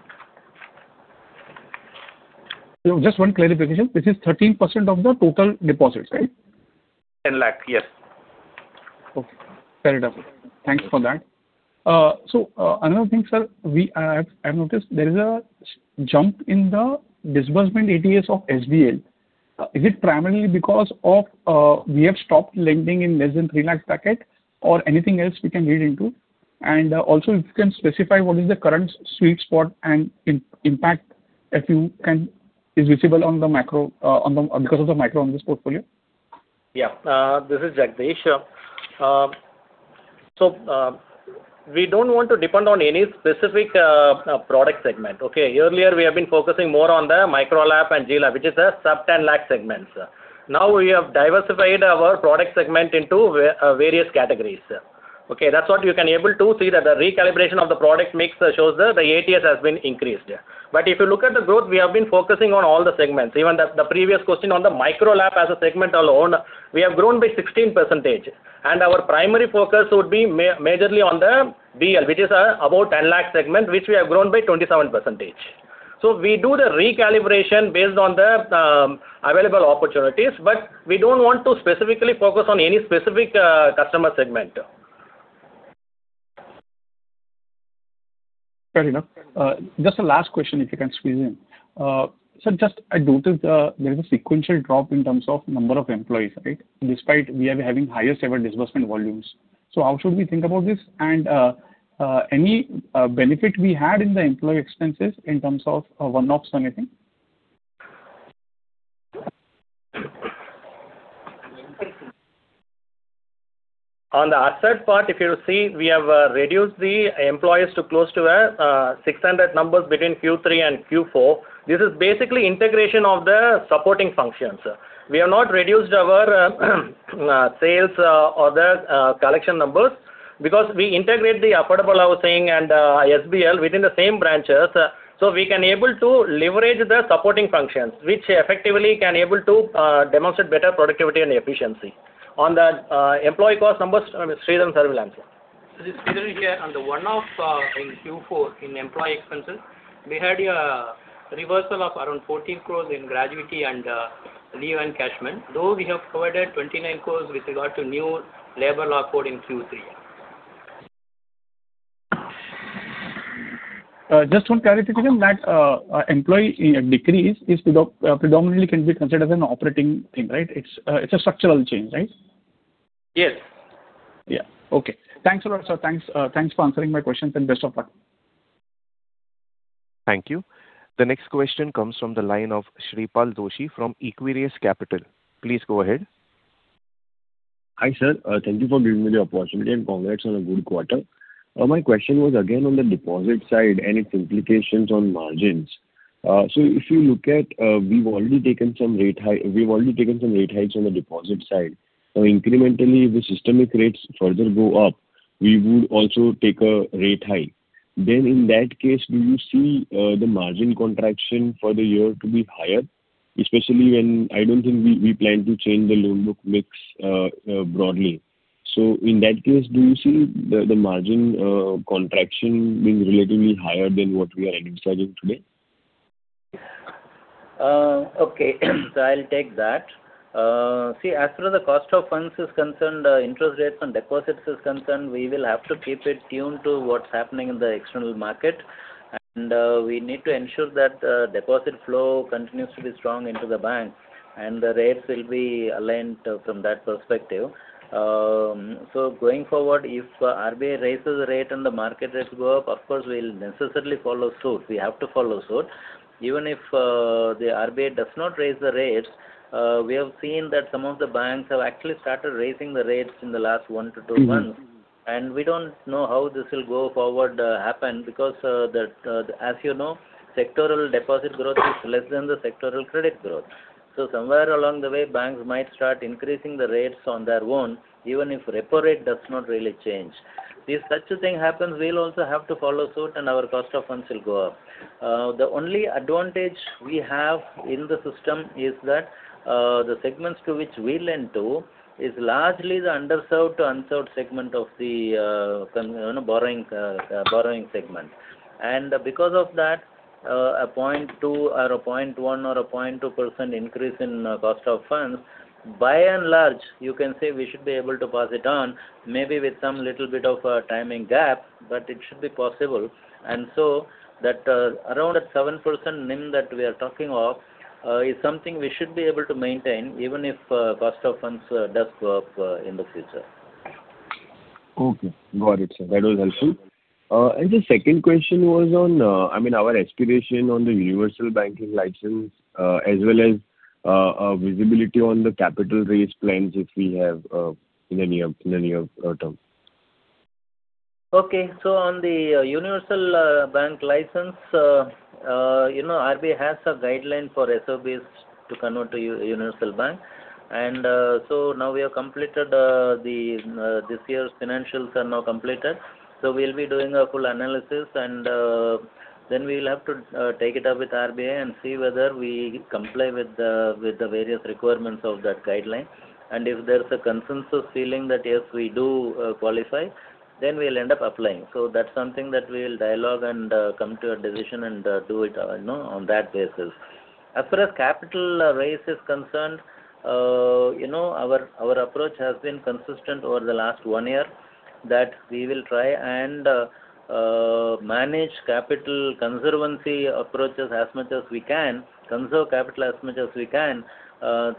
Speaker 10: Just one clarification. This is 13% of the total deposits, right?
Speaker 5: 10 lakh, yes.
Speaker 10: Okay. Fair enough. Thanks for that. Another thing, sir, I've noticed there is a jump in the disbursement ATS of SBL. Is it primarily because of we have stopped lending in less than 3 lakh packet or anything else we can read into? Also if you can specify what is the current sweet spot and impact, if you can, is visible on the macro because of the macro on this portfolio.
Speaker 4: This is Jagadesh. We don't want to depend on any specific product segment. Okay? Earlier, we have been focusing more on the Micro LAP and GLAP, which is a sub 10 lakh segment, sir. Now we have diversified our product segment into various categories, sir. That's what you can able to see that the recalibration of the product mix shows the ATS has been increased. If you look at the growth, we have been focusing on all the segments. Even the previous question on the Micro LAP as a segment alone, we have grown by 16%, and our primary focus would be majorly on the BL, which is about 10 lakh segment, which we have grown by 27%. We do the recalibration based on the available opportunities, but we don't want to specifically focus on any specific customer segment.
Speaker 10: Fair enough. Just a last question, if you can squeeze in. Just I noted, there is a sequential drop in terms of number of employees, right? Despite we are having highest ever disbursement volumes. How should we think about this? Any benefit we had in the employee expenses in terms of one-offs or anything?
Speaker 4: On the asset part, if you see, we have reduced the employees to close to 600 numbers between Q3 and Q4. This is basically integration of the supporting functions. We have not reduced our sales or the collection numbers because we integrate the affordable housing and SBL within the same branches, so we can able to leverage the supporting functions, which effectively can able to demonstrate better productivity and efficiency. On the employee cost numbers, Mr. Sridhar can answer.
Speaker 3: This is Sridhar here. On the one-off, in Q4 in employee expenses, we had a reversal of around 14 crores in gratuity and leave encashment, though we have provided 29 crores with regard to new labor law code in Q3.
Speaker 10: Just one clarification that employee decrease is predominantly can be considered an operating thing, right? It's a structural change, right?
Speaker 3: Yes.
Speaker 10: Yeah. Okay. Thanks a lot, sir. Thanks, thanks for answering my questions, and best of luck.
Speaker 1: Thank you. The next question comes from the line of Shreepal Doshi from Equirus Capital. Please go ahead.
Speaker 11: Hi, sir. Thank you for giving me the opportunity, congrats on a good quarter. My question was again on the deposit side and its implications on margins. If you look at, we've already taken some rate hikes on the deposit side. Incrementally, if the systemic rates further go up, we would also take a rate hike. In that case, do you see the margin contraction for the year to be higher? Especially when I don't think we plan to change the loan book mix broadly. In that case, do you see the margin contraction being relatively higher than what we are envisaging today?
Speaker 2: I'll take that. See, as far as the cost of funds is concerned, interest rates on deposits is concerned, we will have to keep it tuned to what's happening in the external market. We need to ensure that deposit flow continues to be strong into the bank, and the rates will be aligned from that perspective. Going forward, if RBI raises the rate and the market rates go up, of course, we'll necessarily follow suit. We have to follow suit. Even if the RBI does not raise the rates, we have seen that some of the banks have actually started raising the rates in the last one to two months.
Speaker 11: Mm-hmm.
Speaker 2: We don't know how this will go forward, happen because, as you know, sectoral deposit growth is less than the sectoral credit growth. Somewhere along the way, banks might start increasing the rates on their own, even if repo rate does not really change. If such a thing happens, we'll also have to follow suit, and our cost of funds will go up. The only advantage we have in the system is that the segments to which we lend to is largely the underserved to unserved segment of the, you know, borrowing segment. Because of that, a 0.2% or a 0.1% or a 0.2% increase in cost of funds, by and large, you can say we should be able to pass it on maybe with some little bit of a timing gap, but it should be possible. So that, around a 7% NIM that we are talking of, is something we should be able to maintain even if cost of funds does go up in the future.
Speaker 11: Okay. Got it, sir. That was helpful. The second question was on, I mean, our aspiration on the universal banking license, as well as visibility on the capital raise plans if we have in the near term.
Speaker 2: Okay. On the universal bank license, you know, RBI has a guideline for SFBs to convert to universal bank. Now this year's financials are now completed. We'll be doing a full analysis, then we will have to take it up with RBI and see whether we comply with the various requirements of that guideline. If there's a consensus feeling that, yes, we do qualify, then we'll end up applying. That's something that we'll dialogue and come to a decision and do it on that basis. As far as capital raise is concerned, you know, our approach has been consistent over the last one year that we will try and manage capital conservancy approaches as much as we can, conserve capital as much as we can,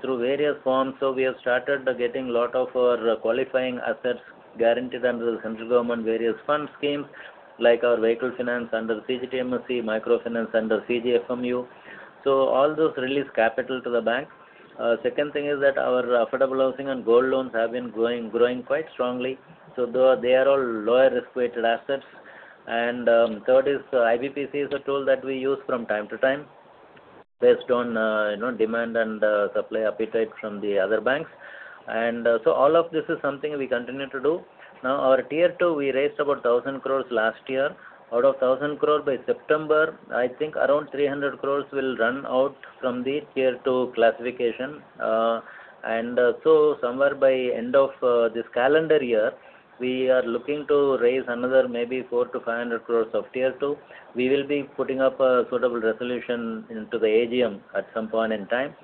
Speaker 2: through various forms. We have started getting lot of our qualifying assets guaranteed under the central government various fund schemes, like our vehicle finance under CGTMSE, microfinance under CGFMU. All those release capital to the bank. Second thing is that our affordable housing and gold loans have been growing quite strongly, so they are all lower risk-weighted assets. Third is IBPC is a tool that we use from time to time based on, you know, demand and supply appetite from the other banks. All of this is something we continue to do. Our Tier 2, we raised about 1,000 crore last year. Out of 1,000 crore, by September, I think around 300 crore will run out from the Tier 2 classification. Somewhere by end of this calendar year, we are looking to raise another maybe 400-500 crores of Tier 2. We will be putting up a suitable resolution into the AGM at some point in time.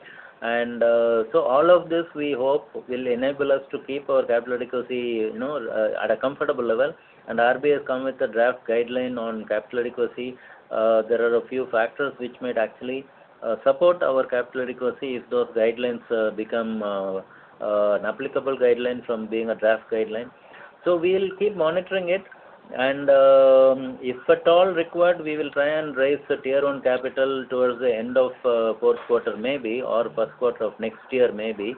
Speaker 2: All of this, we hope, will enable us to keep our capital adequacy, you know, at a comfortable level. RBI has come with a draft guideline on capital adequacy. There are a few factors which might actually support our capital adequacy if those guidelines become an applicable guideline from being a draft guideline. We'll keep monitoring it and if at all required, we will try and raise the Tier 1 capital towards the end of fourth quarter maybe, or first quarter of next year, maybe.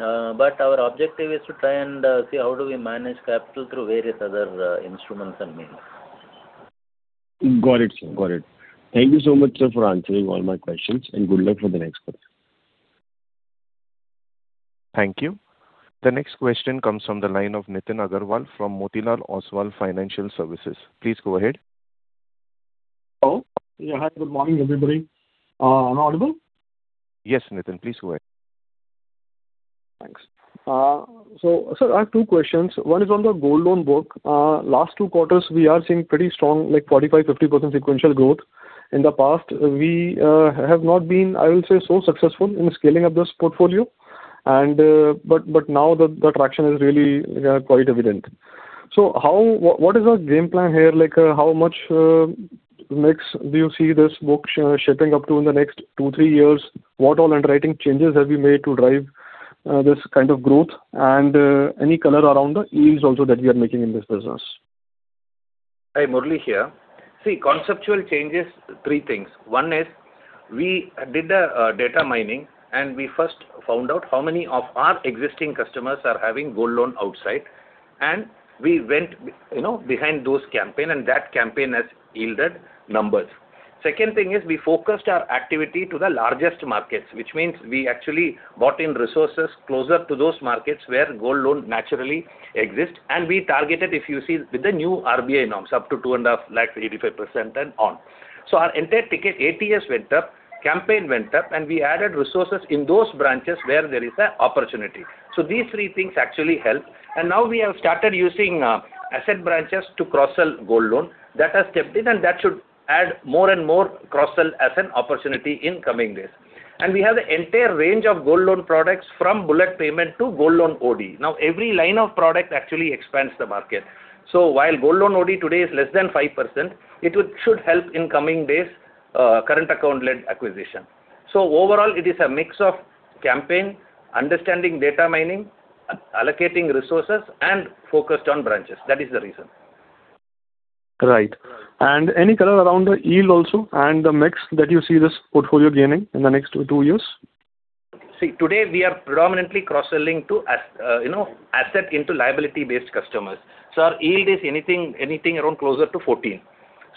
Speaker 2: Our objective is to try and see how do we manage capital through various other instruments and means.
Speaker 11: Got it, sir. Got it. Thank you so much, sir, for answering all my questions, and good luck for the next quarter.
Speaker 1: Thank you. The next question comes from the line of Nitin Aggarwal from Motilal Oswal Financial Services. Please go ahead.
Speaker 12: Hello. Yeah. Hi, good morning, everybody. Am I audible?
Speaker 1: Yes, Nitin, please go ahead.
Speaker 12: Thanks. Sir, I have two questions. One is on the gold loan book. Last two quarters we are seeing pretty strong, like 45%, 50% sequential growth. In the past, we have not been, I will say, so successful in scaling up this portfolio and now the traction is really quite evident. What is our game plan here? How much mix do you see this book shaping up to in the next two, three years? What all underwriting changes have you made to drive this kind of growth? Any color around the yields also that we are making in this business?
Speaker 5: Hi, Murali here. Conceptual changes, three things. One is we did a data mining. We first found out how many of our existing customers are having gold loan outside. We went, you know, behind those campaign, and that campaign has yielded numbers. Second thing is we focused our activity to the largest markets, which means we actually bought in resources closer to those markets where gold loan naturally exists. We targeted, if you see, with the new RBI norms, up to 2.5 lakh, 85% and on. Our entire ticket ATS went up, campaign went up, and we added resources in those branches where there is a opportunity. These three things actually helped. Now we have started using asset branches to cross-sell gold loan. That has kicked in, that should add more and more cross-sell as an opportunity in coming days. We have the entire range of gold loan products from bullet payment to Gold Loan OD. Now every line of product actually expands the market. While Gold Loan OD today is less than 5%, it should help in coming days, current account led acquisition. Overall it is a mix of campaign, understanding data mining, allocating resources and focused on branches. That is the reason.
Speaker 12: Right. Any color around the yield also and the mix that you see this portfolio gaining in the next two years?
Speaker 5: See, today we are predominantly cross-selling to, you know, asset into liability based customers. Our yield is anything around closer to 14.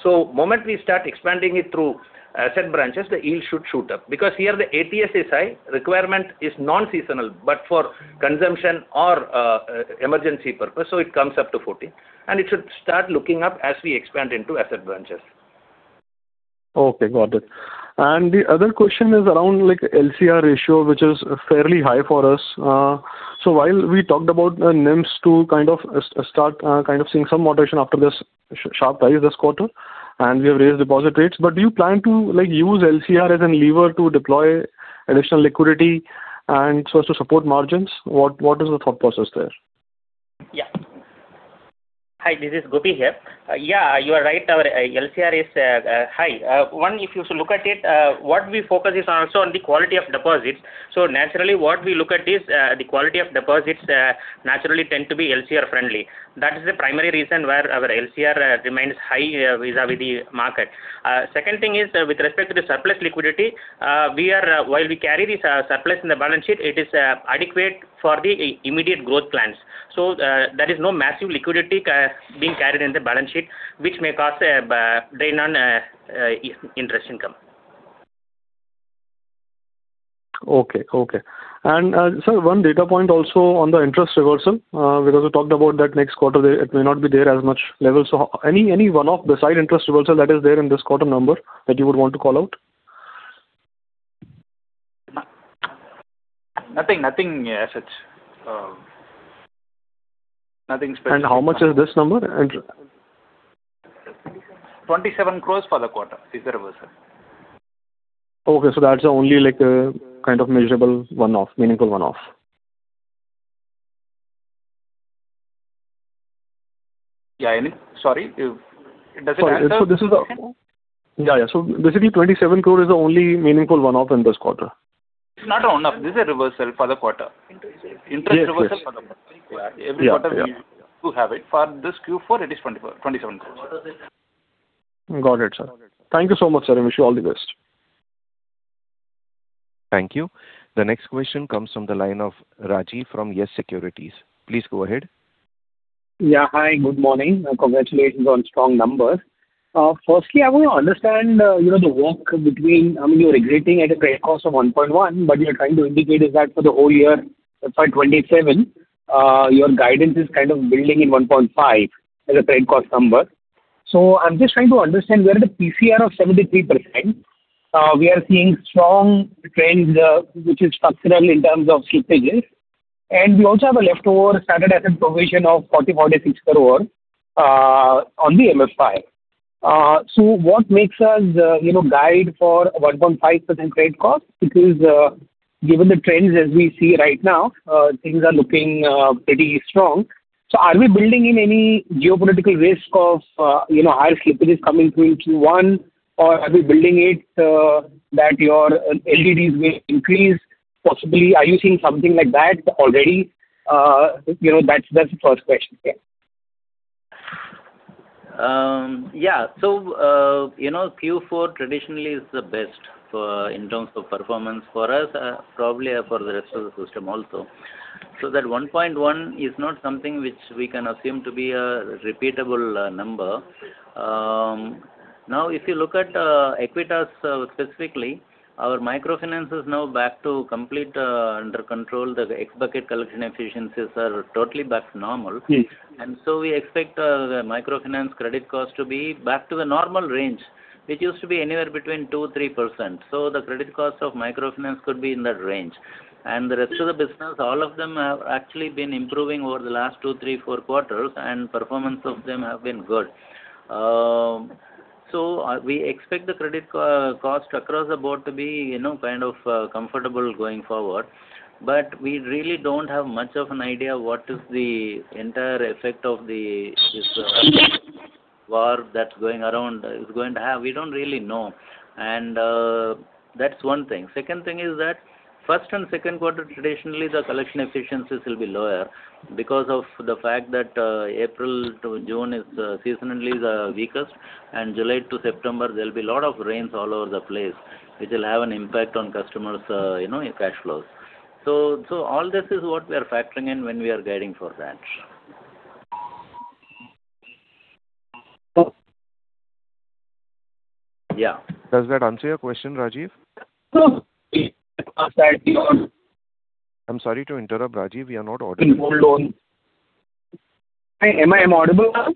Speaker 5: Moment we start expanding it through asset branches, the yield should shoot up because here the ATS requirement is non-seasonal, but for consumption or emergency purpose, it comes up to 14. It should start looking up as we expand into asset branches.
Speaker 12: Okay, got it. The other question is around like LCR ratio, which is fairly high for us. While we talked about NIMs to kind of start kind of seeing some moderation after this sharp rise this quarter, we have raised deposit rates, do you plan to, like, use LCR as a lever to deploy additional liquidity and so as to support margins? What is the thought process there?
Speaker 2: Yeah.
Speaker 6: Hi, this is Gopi here. Yeah, you are right. Our LCR is high. One, if you look at it, what we focus is also on the quality of deposits. Naturally, what we look at is the quality of deposits naturally tend to be LCR friendly. That is the primary reason why our LCR remains high vis-a-vis the market. Second thing is with respect to the surplus liquidity, we are, while we carry this surplus in the balance sheet, it is adequate for the immediate growth plans. There is no massive liquidity being carried in the balance sheet, which may cause a drain on interest income.
Speaker 12: Okay, okay. Sir, one data point also on the interest reversal, because we talked about that next quarter there, it may not be there as much level. Any one-off, the side interest reversal that is there in this quarter number that you would want to call out?
Speaker 2: Nothing, nothing as such. Nothing special.
Speaker 12: how much is this number?
Speaker 3: 27 crores for the quarter is the reversal.
Speaker 12: Okay. That's the only, like, kind of measurable one-off, meaningful one-off.
Speaker 2: Yeah. Sorry.
Speaker 12: Sorry. This is
Speaker 3: Okay.
Speaker 12: Yeah, yeah. Basically 27 crore is the only meaningful one-off in this quarter.
Speaker 3: It's not one-off. This is a reversal for the quarter. Interest reversal. Interest reversal for the quarter.
Speaker 6: Yes, yes. Yeah. Yeah, yeah. Every quarter we do have it. For this Q4 it is 24.27 crores.
Speaker 12: Got it, sir. Thank you so much, sir. I wish you all the best.
Speaker 1: Thank you. The next question comes from the line of Rajiv from Yes Securities. Please go ahead.
Speaker 13: Yeah. Hi, good morning. Congratulations on strong numbers. Firstly, I want to understand, you know, the walk between, I mean, you're integrating at a credit cost of 1.1%, but you're trying to indicate is that for the whole year, FY 2027, your guidance is kind of building in 1.5% as a credit cost number. I'm just trying to understand where the PCR of 73%, we are seeing strong trends, which is structural in terms of slippages. We also have a leftover standard asset provision of 4,460 crore on the MFI. What makes us, you know, guide for 1.5% credit cost? Because, given the trends as we see right now, things are looking pretty strong. Are we building in any geopolitical risk of, you know, higher slippages coming through Q1? Are we building it that your LGDs may increase possibly? Are you seeing something like that already? You know, that's the first question. Yeah.
Speaker 2: Yeah. You know, Q4 traditionally is the best for in terms of performance for us, probably for the rest of the system also. That 1.1% is not something which we can assume to be a repeatable number. If you look at Equitas specifically, our microfinance is now back to complete under control. The X-bucket collection efficiencies are totally back to normal.
Speaker 13: Yes.
Speaker 2: We expect the microfinance credit cost to be back to the normal range, which used to be anywhere between 2%, 3%. The credit cost of microfinance could be in that range. The rest of the business, all of them have actually been improving over the last two, three, four quarters, and performance of them have been good. We expect the credit cost across the board to be, you know, kind of, comfortable going forward. We really don't have much of an idea what is the entire effect of the, this, war that's going around is going to have. We don't really know. That's one thing. Second thing is that first and second quarter, traditionally, the collection efficiencies will be lower because of the fact that April to June is seasonally the weakest, and July to September, there'll be a lot of rains all over the place, which will have an impact on customers', you know, cash flows. All this is what we are factoring in when we are guiding for that.
Speaker 13: So-
Speaker 2: Yeah.
Speaker 1: Does that answer your question, Rajiv?
Speaker 13: Sir.
Speaker 1: I'm sorry to interrupt, Rajiv. We are not audible.
Speaker 13: Gold loan. Am I audible now?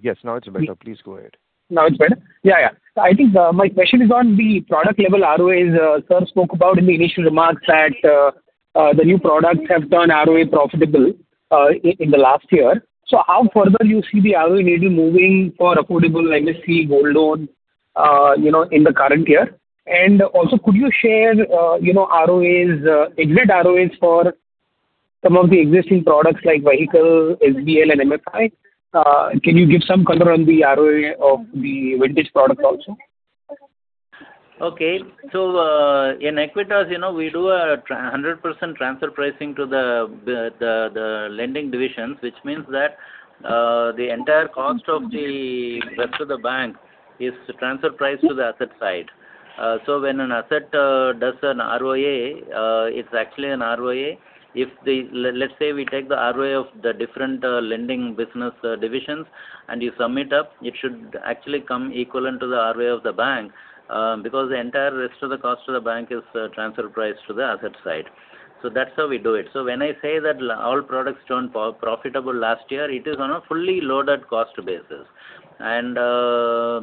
Speaker 1: Yes, now it's better. Please go ahead.
Speaker 13: Now it's better? Yeah, yeah. I think, my question is on the product level ROAs. Sir spoke about in the initial remarks that the new products have turned ROA profitable in the last year. How further you see the ROE maybe moving for Affordable, MSE, gold loan, you know, in the current year? Could you share, you know, ROAs, exit ROAs for some of the existing products like vehicle, SBL and MFI? Can you give some color on the ROA of the vintage product also?
Speaker 2: Okay. In Equitas, you know, we do a hundred 100% transfer pricing to the lending divisions, which means that the entire cost of the rest of the bank is transfer priced to the asset side. When an asset does an ROA, it's actually an ROA. Let's say we take the ROA of the different lending business divisions and you sum it up, it should actually come equivalent to the ROA of the bank, because the entire rest of the cost of the bank is transfer priced to the asset side. That's how we do it. When I say that all products turned profitable last year, it is on a fully loaded cost basis. The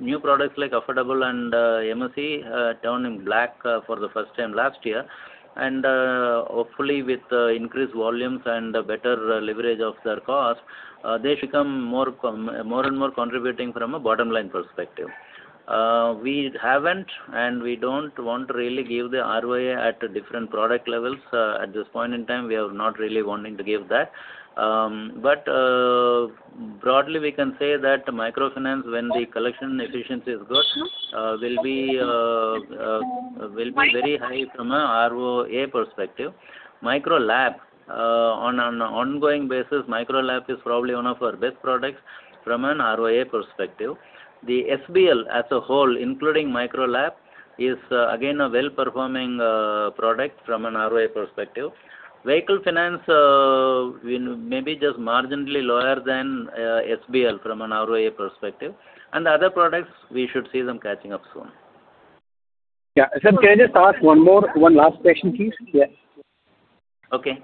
Speaker 2: new products like Affordable and MSE turned in black for the first time last year. Hopefully with increased volumes and better leverage of their cost, they become more and more contributing from a bottom-line perspective. We haven't and we don't want to really give the ROA at different product levels. At this point in time, we are not really wanting to give that. Broadly, we can say that microfinance, when the collection efficiency is good, will be very high from a ROA perspective. Micro LAP, on an ongoing basis, Micro LAP is probably one of our best products from an ROA perspective. The SBL as a whole, including Micro LAP, is again a well-performing product from an ROA perspective. Vehicle finance, you know, maybe just marginally lower than SBL from an ROA perspective. The other products, we should see them catching up soon.
Speaker 13: Yeah. Sir, can I just ask one more, one last question, please? Yeah.
Speaker 2: Okay.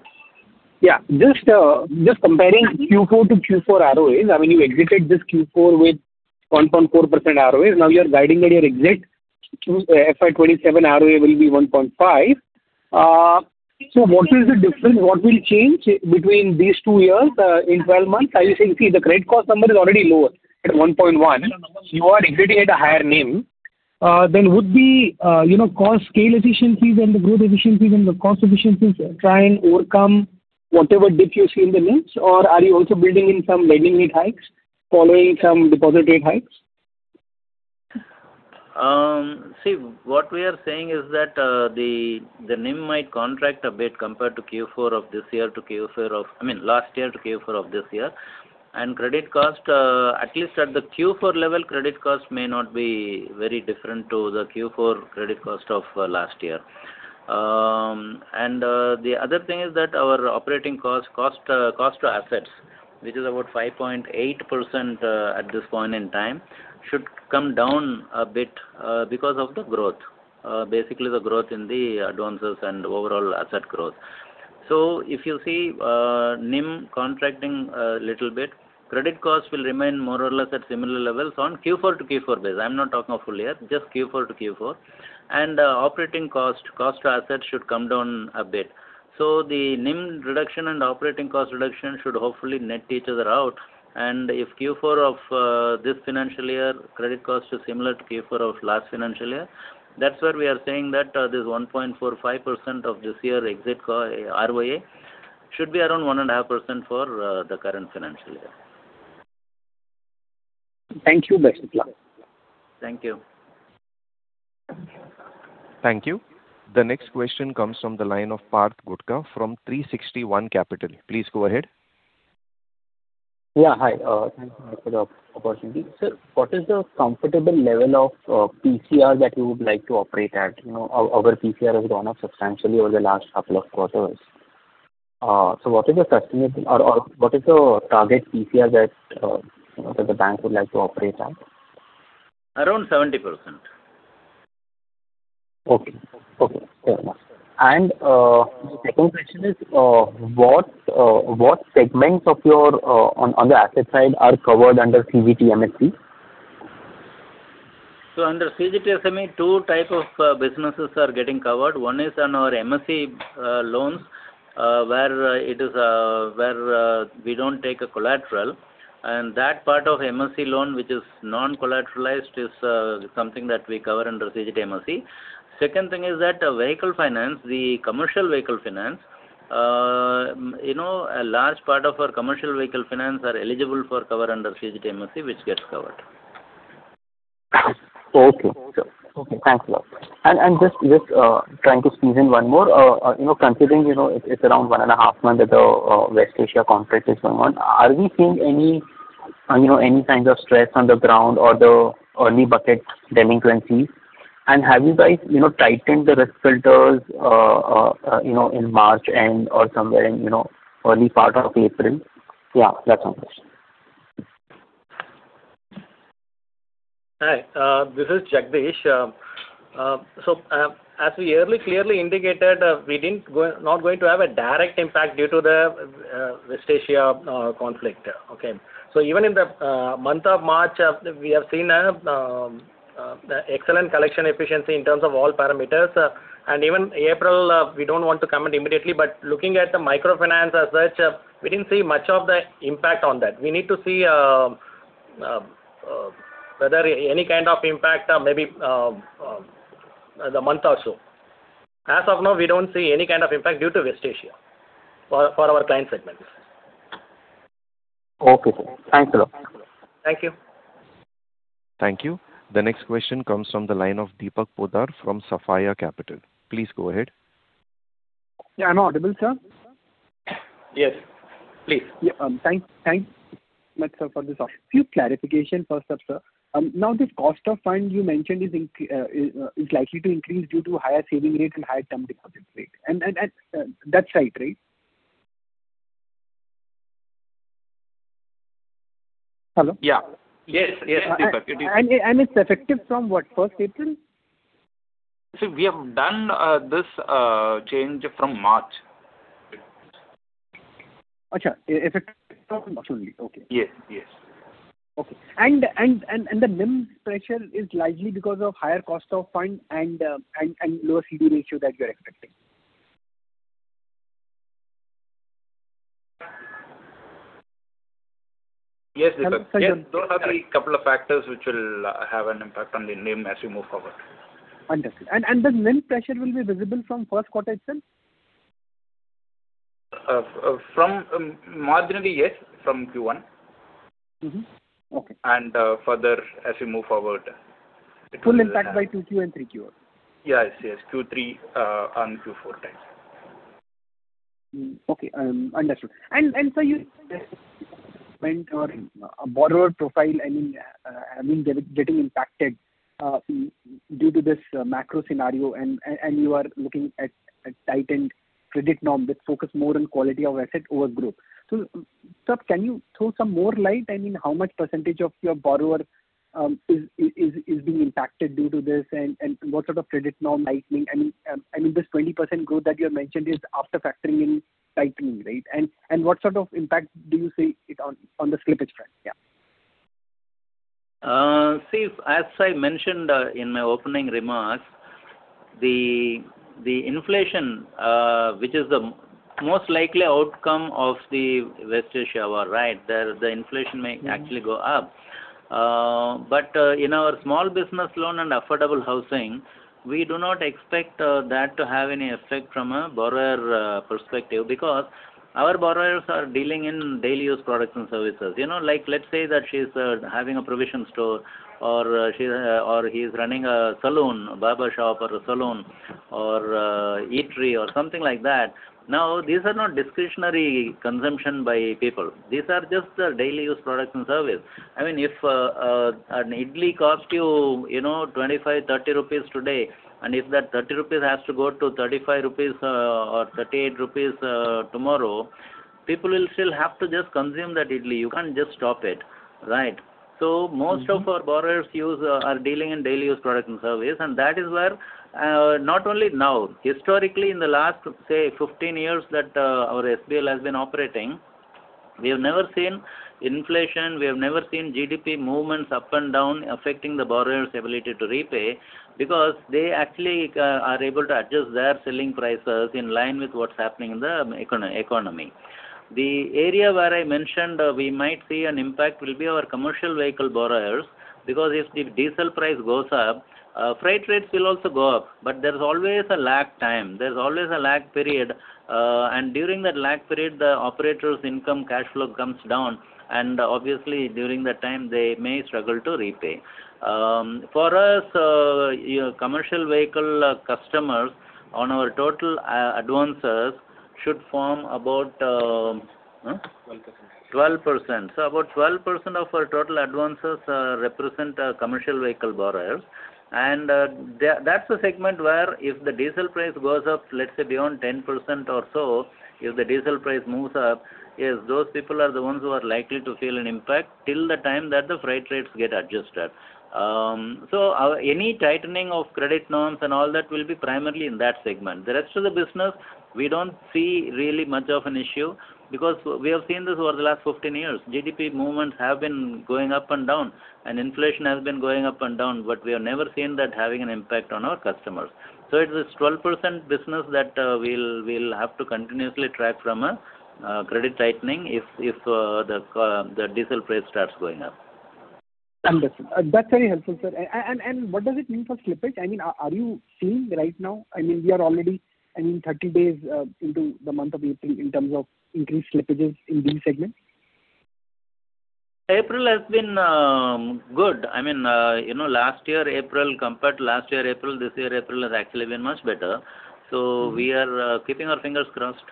Speaker 13: Yeah. Just comparing Q2 to Q4 ROAs, I mean, you exited this Q4 with 1.4% ROAs. Now you're guiding that your exit to FY 2027 ROA will be 1.5%. What is the difference? What will change between these two years, in 12 months? Are you saying? See, the credit cost number is already lower at 1.1%. You are exiting at a higher NIM. Would the, you know, cost, scale efficiencies and the growth efficiencies and the cost efficiencies try and overcome whatever dip you see in the NIM? Or are you also building in some lending NIM hikes following some deposit rate hikes?
Speaker 2: See, what we are saying is that the NIM might contract a bit compared to Q4 of this year to Q4 of last year. Credit cost, at least at the Q4 level, credit cost may not be very different to the Q4 credit cost of last year. The other thing is that our operating cost to assets, which is about 5.8% at this point in time, should come down a bit because of the growth. Basically the growth in the advances and overall asset growth. If you see NIM contracting a little bit, credit cost will remain more or less at similar levels on Q4 to Q4 base. I'm not talking of full year, just Q4 to Q4. Operating cost to assets should come down a bit. The NIM reduction and operating cost reduction should hopefully net each other out. If Q4 of this financial year credit cost is similar to Q4 of last financial year, that's where we are saying that this 1.45% of this year exit ROA should be around 1.5% for the current financial year.
Speaker 14: Thank you, Madhyastha.
Speaker 2: Thank you.
Speaker 1: Thank you. The next question comes from the line of Parth Gutka from 360 ONE Capital. Please go ahead.
Speaker 15: Yeah, hi. Thank you for the opportunity. What is the comfortable level of PCR that you would like to operate at? You know, our PCR has gone up substantially over the last couple of quarters. What is the customer or what is the target PCR that, you know, that the bank would like to operate at?
Speaker 2: Around 70%.
Speaker 15: Okay. Okay, fair enough. The second question is, what segments of your on the asset side are covered under CGTMSE?
Speaker 2: Under CGTMSE, two type of businesses are getting covered. One is on our MSE loans where it is where we don't take a collateral. That part of MSE loan, which is non-collateralized, is something that we cover under CGTMSE. Second thing is that, vehicle finance, the commercial vehicle finance, you know, a large part of our commercial vehicle finance are eligible for cover under CGTMSE, which gets covered.
Speaker 15: Okay. Sure. Okay, thanks a lot. Just trying to squeeze in one more. You know, considering, you know, it's around 1 and a half month that the West Asia conflict is going on, are we seeing any, you know, any kinds of stress on the ground or the early bucket delinquencies? Have you guys, you know, tightened the risk filters, you know, in March end or somewhere in, you know, early part of April? Yeah, that's my question.
Speaker 4: Hi, this is Jagadesh. As we early clearly indicated, not going to have a direct impact due to the West Asia conflict. Okay. Even in the month of March, we have seen a excellent collection efficiency in terms of all parameters. Even April, we don't want to comment immediately, but looking at the microfinance as such, we didn't see much of the impact on that. We need to see whether any kind of impact maybe in the month or so. As of now, we don't see any kind of impact due to West Asia for our client segments.
Speaker 15: Okay, sir. Thanks a lot.
Speaker 4: Thank you.
Speaker 1: Thank you. The next question comes from the line of Deepak Poddar from Sapphire Capital. Please go ahead.
Speaker 16: Yeah, am I audible, sir?
Speaker 2: Yes, please.
Speaker 16: Yeah, Thanks, sir, for this op. Few clarification first up, sir. Now this cost of fund you mentioned is likely to increase due to higher saving rates and higher term deposit rate. That's right? Hello?
Speaker 2: Yeah. Yes, Deepak.
Speaker 16: It's effective from what, first April?
Speaker 2: See, we have done this change from March.
Speaker 16: Acha, effective from March only. Okay.
Speaker 2: Yes. Yes.
Speaker 16: Okay. The NIM pressure is likely because of higher cost of fund and lower CD ratio that you are expecting.
Speaker 2: Yes, Deepak. Yes. Those are the couple of factors which will have an impact on the NIM as we move forward.
Speaker 16: Understood. The NIM pressure will be visible from first quarter itself?
Speaker 2: From marginally yes, from Q1.
Speaker 16: Mm-hmm. Okay.
Speaker 2: Further as we move forward.
Speaker 16: Full impact by 2Q and 3Q.
Speaker 2: Yes, yes. Q3 and Q4 time.
Speaker 16: Okay, understood. Your borrower profile, I mean, I mean, getting impacted due to this macro scenario and you are looking at tightened credit norms that focus more on quality of asset over growth. Sir, can you throw some more light, I mean, how much percentage of your borrower is being impacted due to this and what sort of credit norms tightening? I mean, I mean, this 20% growth that you mentioned is after factoring in tightening, right? What sort of impact do you see it on the slippage front? Yeah.
Speaker 2: See, as I mentioned, in my opening remarks, the inflation, which is the most likely outcome of the West Asia war, right? The inflation may actually go up. In our small business loan and affordable housing, we do not expect that to have any effect from a borrower perspective because our borrowers are dealing in daily use products and services. You know, like let's say that she's having a provision store or she or he's running a salon, a barber shop or a salon or eatery or something like that. These are not discretionary consumption by people. These are just daily use products and service. I mean, if an idli cost you know, 25 rupees, 30 rupees today, and if that 30 rupees has to go to 35 rupees or 38 rupees tomorrow. People will still have to just consume that idli. You can't just stop it, right? Most of our borrowers are dealing in daily use product and service, and that is where, not only now, historically in the last, say, 15 years that our SBL has been operating, we have never seen inflation, we have never seen GDP movements up and down affecting the borrower's ability to repay because they actually are able to adjust their selling prices in line with what's happening in the economy. The area where I mentioned we might see an impact will be our commercial vehicle borrowers, because if the diesel price goes up, freight rates will also go up. There's always a lag time. There's always a lag period. During that lag period, the operators income cash flow comes down, and obviously, during that time they may struggle to repay. For us, your commercial vehicle customers on our total advances should form about,
Speaker 16: 12%.
Speaker 2: 12%. About 12% of our total advances represent commercial vehicle borrowers. That's a segment where if the diesel price goes up, let's say beyond 10% or so, if the diesel price moves up, yes, those people are the ones who are likely to feel an impact till the time that the freight rates get adjusted. Any tightening of credit norms and all that will be primarily in that segment. The rest of the business, we don't see really much of an issue because we have seen this over the last 15 years. GDP movements have been going up and down, and inflation has been going up and down, but we have never seen that having an impact on our customers. It's this 12% business that we'll have to continuously track from a credit tightening if the diesel price starts going up.
Speaker 16: Understood. That's very helpful, sir. What does it mean for slippage? I mean, are you seeing right now? I mean, we are already, I mean, 30 days into the month of April in terms of increased slippages in these segments.
Speaker 2: April has been good. I mean, you know, last year April, compared to last year April, this year April has actually been much better. We are keeping our fingers crossed.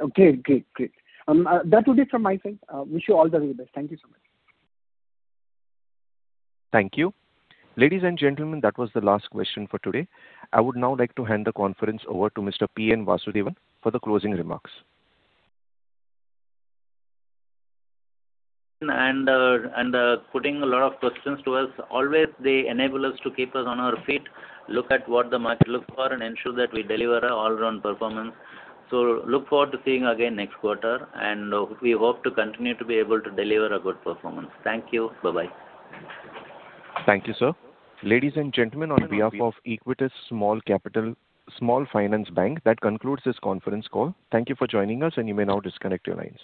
Speaker 16: Okay, great. Great. That would be it from my side. Wish you all the very best. Thank you so much.
Speaker 1: Thank you. Ladies and gentlemen, that was the last question for today. I would now like to hand the conference over to Mr. P. N. Vasudevan for the closing remarks.
Speaker 2: Putting a lot of questions to us. Always they enable us to keep us on our feet, look at what the market looks for, and ensure that we deliver a all round performance. Look forward to seeing again next quarter, and we hope to continue to be able to deliver a good performance. Thank you. Bye-bye.
Speaker 1: Thank you, sir. Ladies and gentlemen, on behalf of Equitas Small Finance Bank, that concludes this conference call. Thank you for joining us, and you may now disconnect your lines.